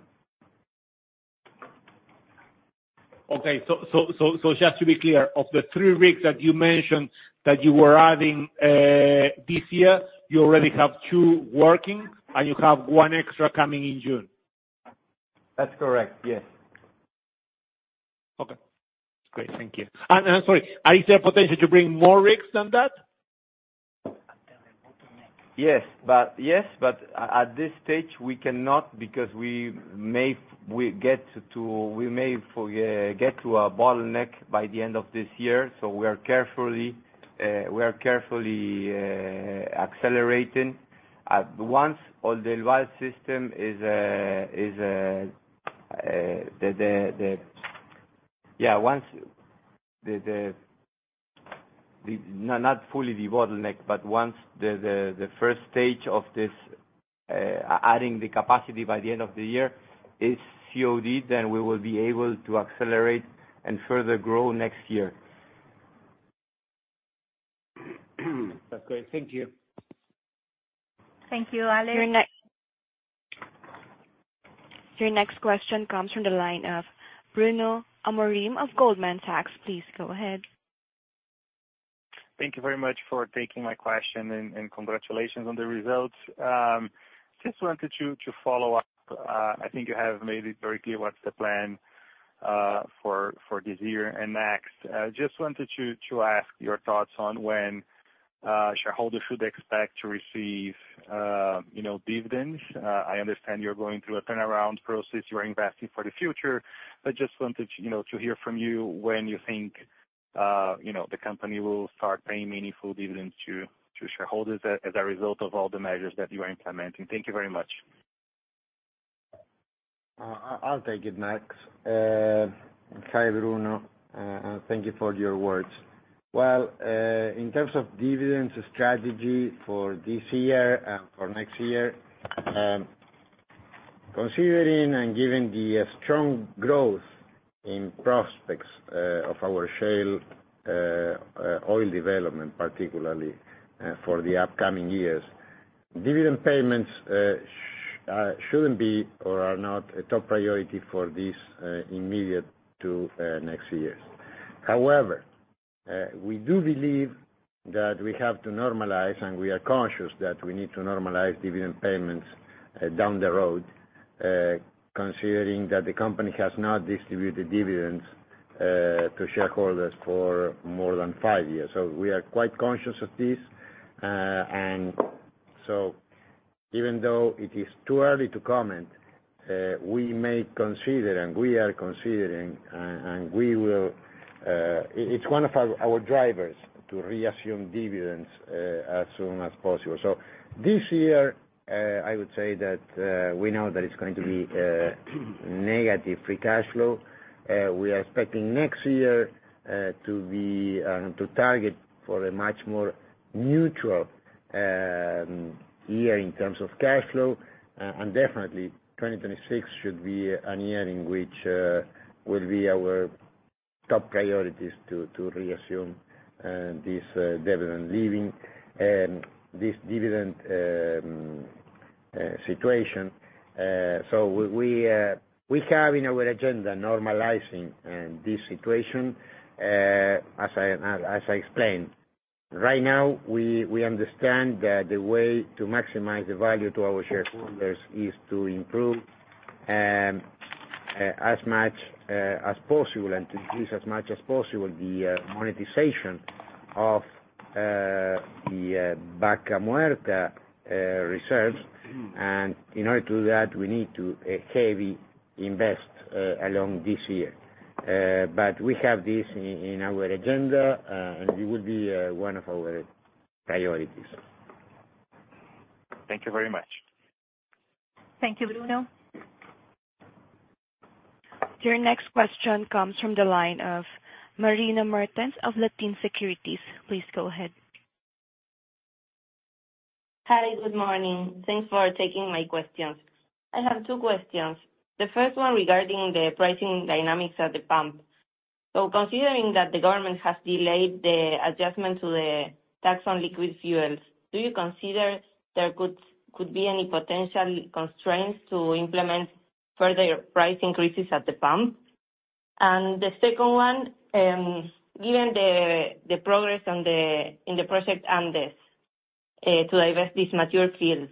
[SPEAKER 8] Okay. So just to be clear, of the three rigs that you mentioned that you were adding this year, you already have two working, and you have one extra coming in June?
[SPEAKER 3] That's correct, yes.
[SPEAKER 8] Okay, great. Thank you. And sorry, is there potential to bring more rigs than that?
[SPEAKER 3] Yes, but yes, but at this stage, we cannot because we may get to a bottleneck by the end of this year. So we are carefully accelerating. Once all the well system is the... Yeah, once the, no, not fully the bottleneck, but once the first stage of this adding the capacity by the end of the year is COD, then we will be able to accelerate and further grow next year.
[SPEAKER 8] That's great. Thank you.
[SPEAKER 2] Thank you, Alex.
[SPEAKER 1] Your next question comes from the line of Bruno Amorim of Goldman Sachs. Please go ahead.
[SPEAKER 9] Thank you very much for taking my question, and congratulations on the results. Just wanted to follow up. I think you have made it very clear what's the plan for this year and next. Just wanted to ask your thoughts on when shareholders should expect to receive, you know, dividends. I understand you're going through a turnaround process, you are investing for the future, but just wanted to, you know, to hear from you when you think, you know, the company will start paying meaningful dividends to shareholders as a result of all the measures that you are implementing. Thank you very much.
[SPEAKER 3] I'll take it next. Hi, Bruno, and thank you for your words. Well, in terms of dividends strategy for this year and for next year, considering and given the strong growth in prospects of our shale oil development, particularly for the upcoming years, dividend payments shouldn't be or are not a top priority for this immediate to next years. However, we do believe that we have to normalize, and we are conscious that we need to normalize dividend payments down the road, considering that the company has not distributed dividends to shareholders for more than five years. So we are quite conscious of this. And so even though it is too early to comment, we may consider, and we are considering, and we will... It's one of our drivers to resume dividends as soon as possible. So this year, I would say that we know that it's going to be negative free cash flow. We are expecting next year to be to target for a much more neutral year in terms of cash flow. And definitely, 2026 should be a year in which will be our top priorities to reassume this dividend leaving this dividend situation. So we have in our agenda normalizing this situation as I explained. Right now, we understand that the way to maximize the value to our shareholders is to improve as much as possible and to increase as much as possible the monetization-... of the Vaca Muerta reserves. And in order to do that, we need to heavily invest along this year. But we have this in our agenda, and it will be one of our priorities.
[SPEAKER 9] Thank you very much.
[SPEAKER 2] Thank you, Bruno.
[SPEAKER 1] Your next question comes from the line of Marina Mertens of Latin Securities. Please go ahead.
[SPEAKER 10] Hi, good morning. Thanks for taking my questions. I have two questions. The first one regarding the pricing dynamics at the pump. So considering that the government has delayed the adjustment to the tax on liquid fuels, do you consider there could be any potential constraints to implement further price increases at the pump? And the second one, given the progress in the Project Andes to divest these mature fields,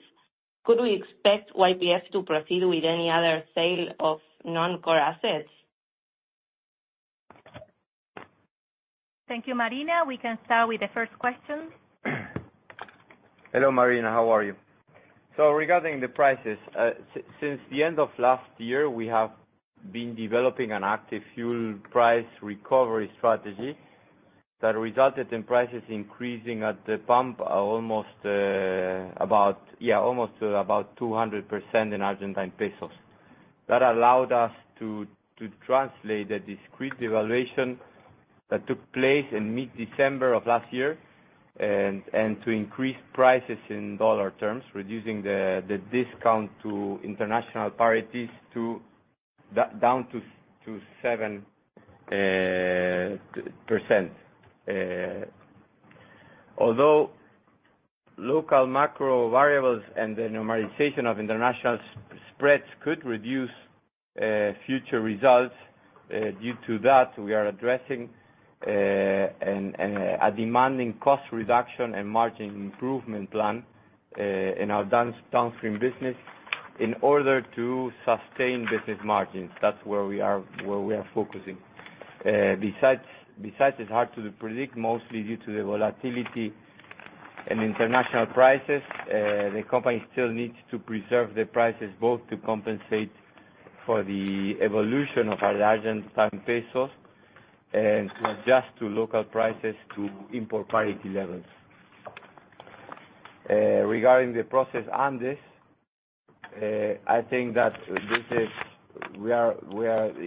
[SPEAKER 10] could we expect YPF to proceed with any other sale of non-core assets?
[SPEAKER 2] Thank you, Marina. We can start with the first question.
[SPEAKER 3] Hello, Marina, how are you? Since the end of last year, we have been developing an active fuel price recovery strategy, that resulted in prices increasing at the pump almost about 200% in ARS. That allowed us to translate the devaluation that took place in mid-December of last year, and to increase prices in dollar terms, reducing the discount to international parities down to 7%. Although local macro variables and the normalization of international spreads could reduce future results due to that, we are addressing a demanding cost reduction and margin improvement plan in our downstream business, in order to sustain business margins. That's where we are focusing. Besides, it's hard to predict, mostly due to the volatility in international prices. The company still needs to preserve the prices, both to compensate for the evolution of Argentine pesos, and to adjust to local prices to import parity levels. Regarding the Project Andes, I think that this is... The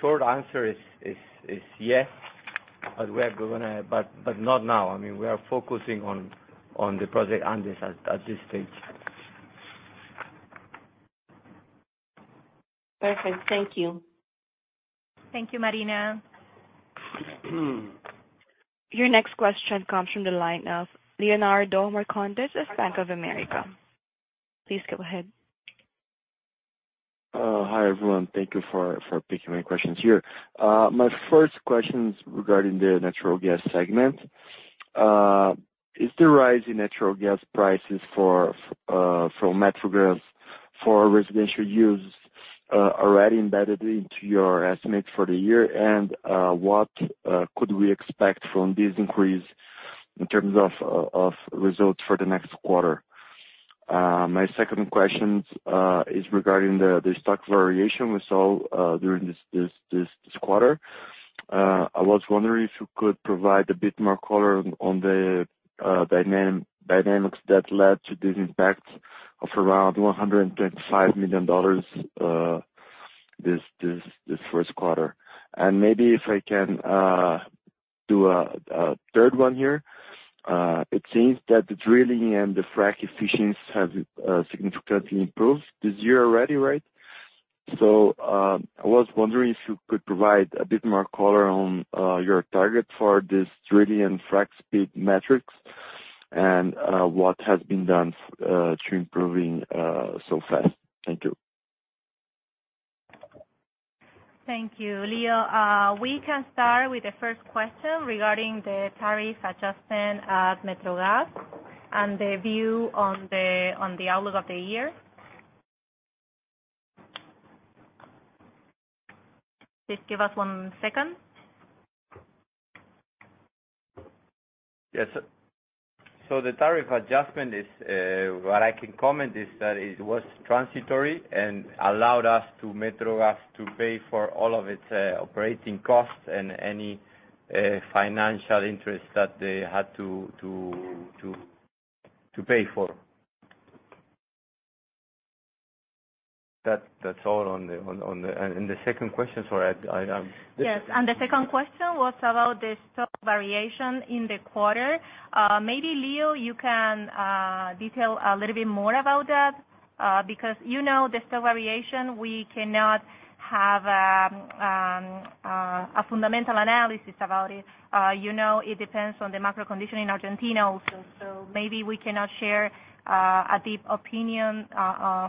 [SPEAKER 3] short answer is yes, but we are gonna—but not now. I mean, we are focusing on the Project Andes at this stage.
[SPEAKER 10] Perfect. Thank you.
[SPEAKER 2] Thank you, Marina.
[SPEAKER 1] Your next question comes from the line of Leonardo Marcondes of Bank of America. Please go ahead.
[SPEAKER 11] Hi, everyone. Thank you for picking my questions here. My first question is regarding the natural gas segment. Is the rise in natural gas prices from MetroGAS for residential use already embedded into your estimates for the year? And what could we expect from this increase in terms of results for the next quarter? My second question is regarding the stock variation we saw during this quarter. I was wondering if you could provide a bit more color on the dynamics that led to this impact of around $125 million this first quarter. And maybe if I can do a third one here. It seems that the drilling and the frac efficiencies have significantly improved this year already, right? I was wondering if you could provide a bit more color on your target for this drilling and frac speed metrics, and what has been done to improving so fast? Thank you.
[SPEAKER 2] Thank you, Leo. We can start with the first question regarding the tariff adjustment at MetroGAS and the view on the outlook of the year. Please give us one second.
[SPEAKER 3] Yes. So the tariff adjustment is what I can comment is that it was transitory and allowed us to, MetroGAS to pay for all of its operating costs and any financial interest that they had to pay for. That's all on the... And the second question, sorry, I,
[SPEAKER 2] Yes, and the second question was about the stock variation in the quarter. Maybe, Leo, you can detail a little bit more about that, because you know, the stock variation, we cannot have a fundamental analysis about it. You know, it depends on the macro condition in Argentina also. So maybe we cannot share a deep opinion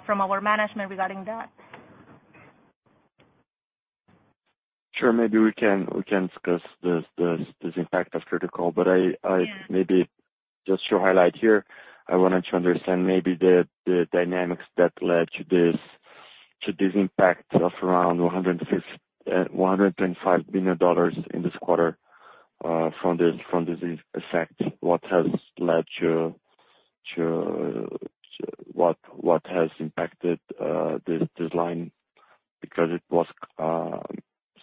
[SPEAKER 2] from our management regarding that.
[SPEAKER 11] Sure, maybe we can discuss this impact after the call. But I-
[SPEAKER 2] Yeah...
[SPEAKER 11] maybe just to highlight here, I wanted to understand maybe the dynamics that led to this... to this impact of around $105 million in this quarter from this effect, what has led to what has impacted this line? Because it was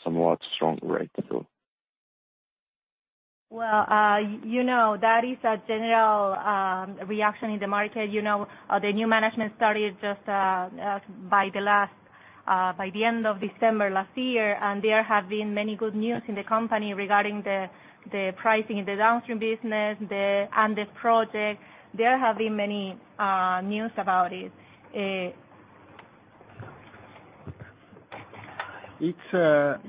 [SPEAKER 11] somewhat strong, right, so.
[SPEAKER 2] Well, you know, that is a general reaction in the market. You know, the new management started just by the end of December last year, and there have been many good news in the company regarding the pricing in the downstream business, the Andes Project. There have been many news about it.
[SPEAKER 3] It's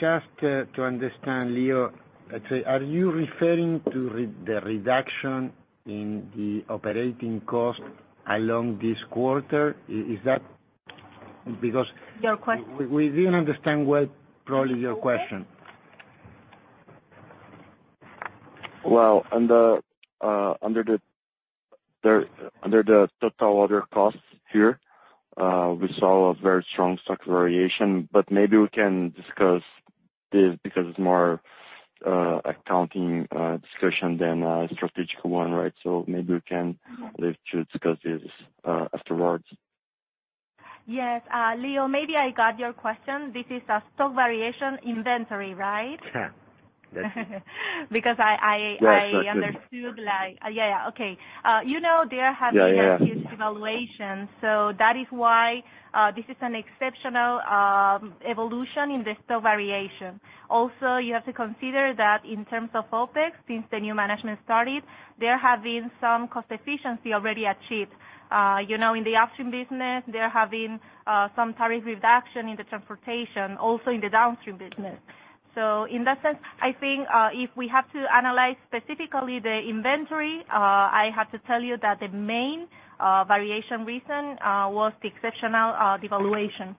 [SPEAKER 3] just to understand, Leo. Let's say, are you referring to the reduction in the operating cost along this quarter? Is that... Because-
[SPEAKER 2] Your question?
[SPEAKER 3] We didn't understand what probably your question.
[SPEAKER 11] Well, under the total order costs here, we saw a very strong stock variation, but maybe we can discuss this because it's more accounting discussion than a strategic one, right? So maybe we can leave to discuss this afterwards.
[SPEAKER 2] Yes. Leo, maybe I got your question. This is a stock variation inventory, right?
[SPEAKER 11] Yeah.
[SPEAKER 2] Because I.
[SPEAKER 11] Right.
[SPEAKER 2] - understood, like... Yeah, yeah. Okay. You know, there have been-
[SPEAKER 11] Yeah, yeah.
[SPEAKER 2] Huge devaluations, so that is why this is an exceptional evolution in the stock variation. Also, you have to consider that in terms of OpEx, since the new management started, there have been some cost efficiency already achieved. You know, in the upstream business, there have been some tariff reduction in the transportation, also in the downstream business. So in that sense, I think, if we have to analyze specifically the inventory, I have to tell you that the main variation reason was the exceptional devaluation.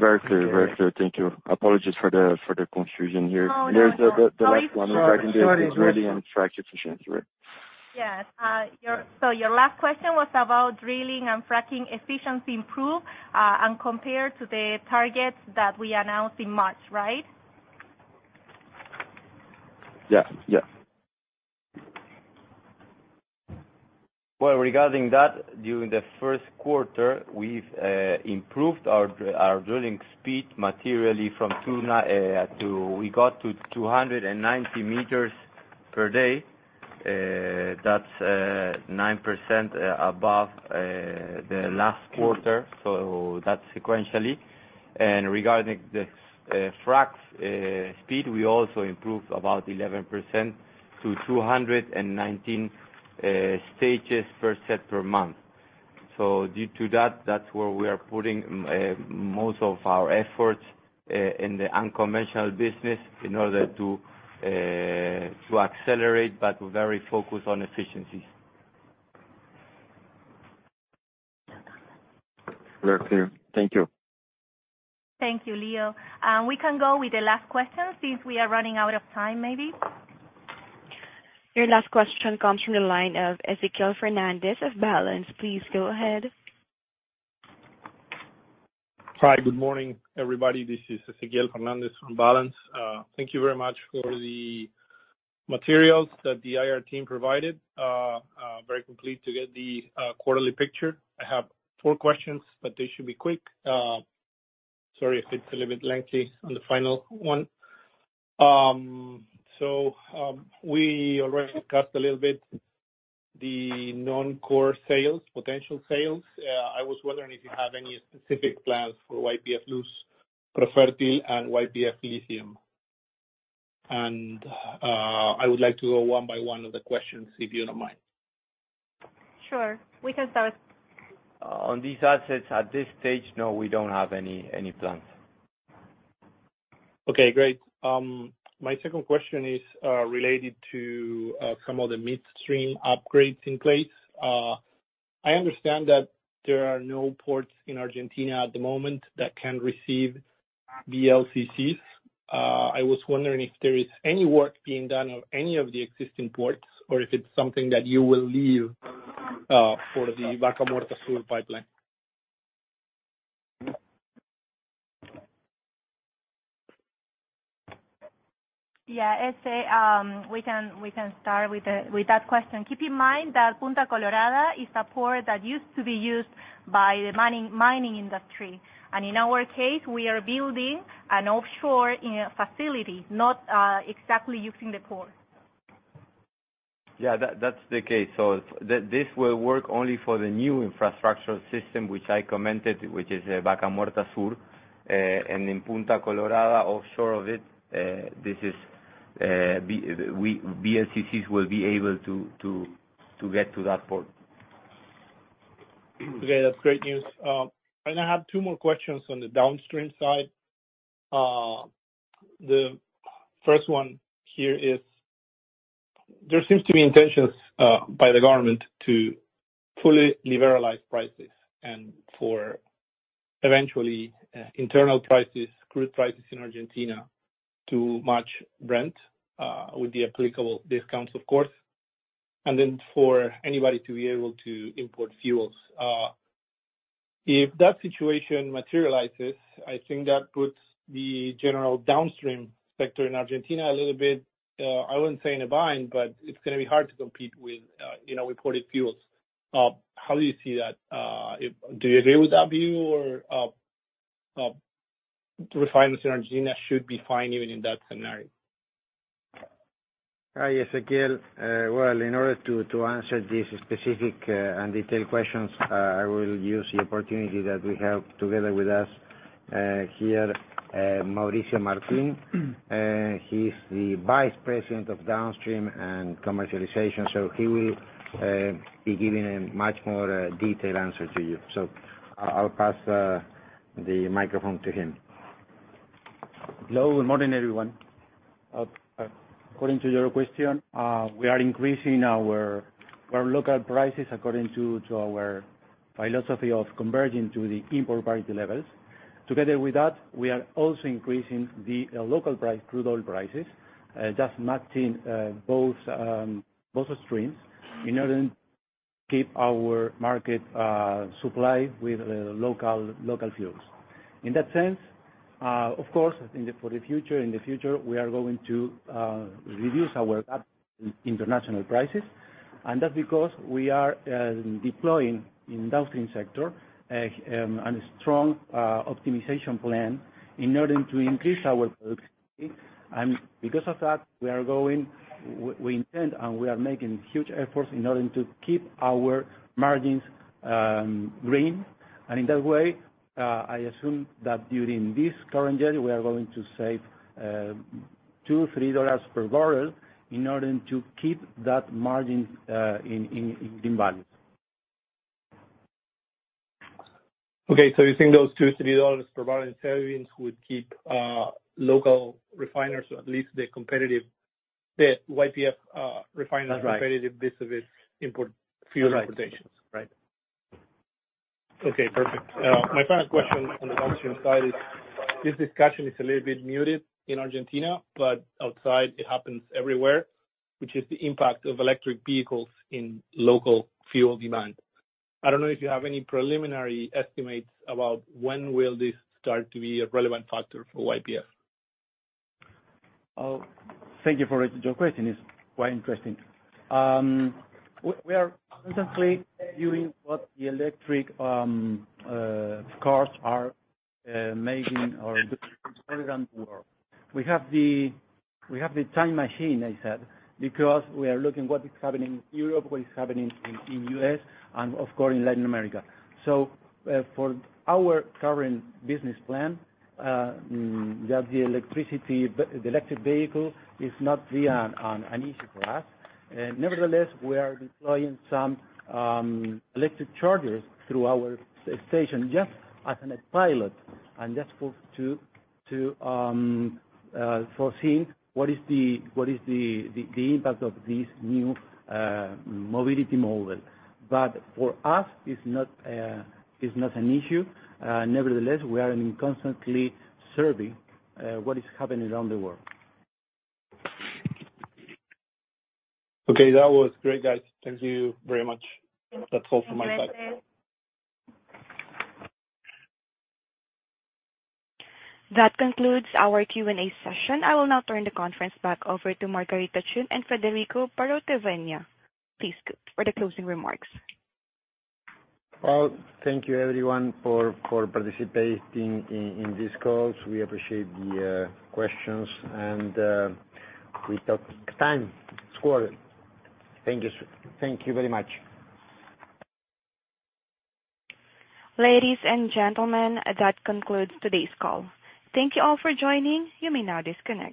[SPEAKER 11] Very clear, very clear. Thank you. Apologies for the confusion here.
[SPEAKER 2] No, no, no.
[SPEAKER 11] There's the last one-
[SPEAKER 3] Sorry.
[SPEAKER 11] drilling and fracking efficiency, right?
[SPEAKER 2] Yes. So your last question was about drilling and fracking efficiency improved, and compared to the targets that we announced in March, right?
[SPEAKER 11] Yeah, yeah.
[SPEAKER 3] Well, regarding that, during the first quarter, we've improved our drilling speed materially from two to 290 meters per day. That's 9% above the last quarter. So that's sequentially. And regarding the frac speed, we also improved about 11% to 219 stages per set, per month. So due to that, that's where we are putting most of our efforts in the unconventional business in order to accelerate, but very focused on efficiency.
[SPEAKER 11] Very clear. Thank you.
[SPEAKER 2] Thank you, Leo. We can go with the last question since we are running out of time, maybe.
[SPEAKER 1] Your last question comes from the line of Ezequiel Fernández of Balanz. Please go ahead.
[SPEAKER 12] Hi, good morning, everybody. This is Ezequiel Fernández from Balanz. Thank you very much for the materials that the IR team provided. Very complete to get the quarterly picture. I have four questions, but they should be quick. Sorry if it's a little bit lengthy on the final one. So, we already discussed a little bit the non-core sales, potential sales. I was wondering if you have any specific plans for YPF Luz, Profertil and YPF Lithium. And I would like to go one by one of the questions, if you don't mind.
[SPEAKER 2] Sure. We can start.
[SPEAKER 3] On these assets, at this stage, no, we don't have any plans.
[SPEAKER 12] Okay, great. My second question is related to some of the midstream upgrades in place. I understand that there are no ports in Argentina at the moment that can receive VLCCs. I was wondering if there is any work being done on any of the existing ports, or if it's something that you will leave for the Vaca Muerta pipeline?
[SPEAKER 2] Yeah, Eze, we can start with that question. Keep in mind that Punta Colorada is a port that used to be used by the mining industry. And in our case, we are building an offshore facility, not exactly using the port.
[SPEAKER 3] Yeah, that's the case. So this will work only for the new infrastructural system, which I commented, which is Vaca Muerta Sur, and in Punta Colorada, offshore of it, VLCCs will be able to get to that port.
[SPEAKER 12] Okay, that's great news. And I have two more questions on the downstream side. The first one here is, there seems to be intentions by the government to fully liberalize prices and eventually internal prices, crude prices in Argentina to match Brent with the applicable discounts, of course, and then for anybody to be able to import fuels. If that situation materializes, I think that puts the general downstream sector in Argentina a little bit. I wouldn't say in a bind, but it's gonna be hard to compete with, you know, imported fuels. How do you see that? Do you agree with that view, or refiners in Argentina should be fine even in that scenario?
[SPEAKER 3] Hi, Ezequiel. Well, in order to answer these specific and detailed questions, I will use the opportunity that we have together with us here Mauricio Martin. He's the Vice President of Downstream and Commercialization, so he will be giving a much more detailed answer to you. So I'll pass the microphone to him.
[SPEAKER 13] Hello, good morning, everyone. According to your question, we are increasing our local prices according to our philosophy of converging to the import parity levels. Together with that, we are also increasing the local price, crude oil prices, just matching both streams in order to keep our market supplied with local fuels. In that sense, of course, for the future, we are going to reduce our gap in international prices, and that's because we are deploying in downstream sector and a strong optimization plan in order to increase our productivity. Because of that, we intend, and we are making huge efforts in order to keep our margins green. In that way, I assume that during this current year, we are going to save $2-$3 per barrel in order to keep that margin in values.
[SPEAKER 12] Okay, so you're saying those $2-$3 per barrel in savings would keep local refiners, or at least the competitive, the YPF refiners-
[SPEAKER 13] Right.
[SPEAKER 12] Competitive vis-à-vis import fuel competitions?
[SPEAKER 13] Right. Right.
[SPEAKER 12] Okay, perfect. My final question on the downstream side is, this discussion is a little bit muted in Argentina, but outside it happens everywhere, which is the impact of electric vehicles in local fuel demand. I don't know if you have any preliminary estimates about when will this start to be a relevant factor for YPF?
[SPEAKER 13] Thank you for asking your question. It's quite interesting. We are constantly viewing what the electric cars are making or doing around the world. We have the time machine, I said, because we are looking what is happening in Europe, what is happening in U.S., and of course, in Latin America. So, for our current business plan, that the electricity, the electric vehicle is not really an issue for us. Nevertheless, we are deploying some electric chargers through our station, just as a pilot and just to foresee what the impact of this new mobility model. But for us, it's not an issue. Nevertheless, we are constantly surveying what is happening around the world.
[SPEAKER 12] Okay, that was great, guys. Thank you very much. That's all from my side.
[SPEAKER 1] That concludes our Q&A session. I will now turn the conference back over to Margarita Chun and Federico Barroetaveña, please, for the closing remarks.
[SPEAKER 3] Well, thank you, everyone, for participating in this call. We appreciate the questions, and we took time. It's cool. Thank you. Thank you very much.
[SPEAKER 1] Ladies and gentlemen, that concludes today's call. Thank you all for joining. You may now disconnect.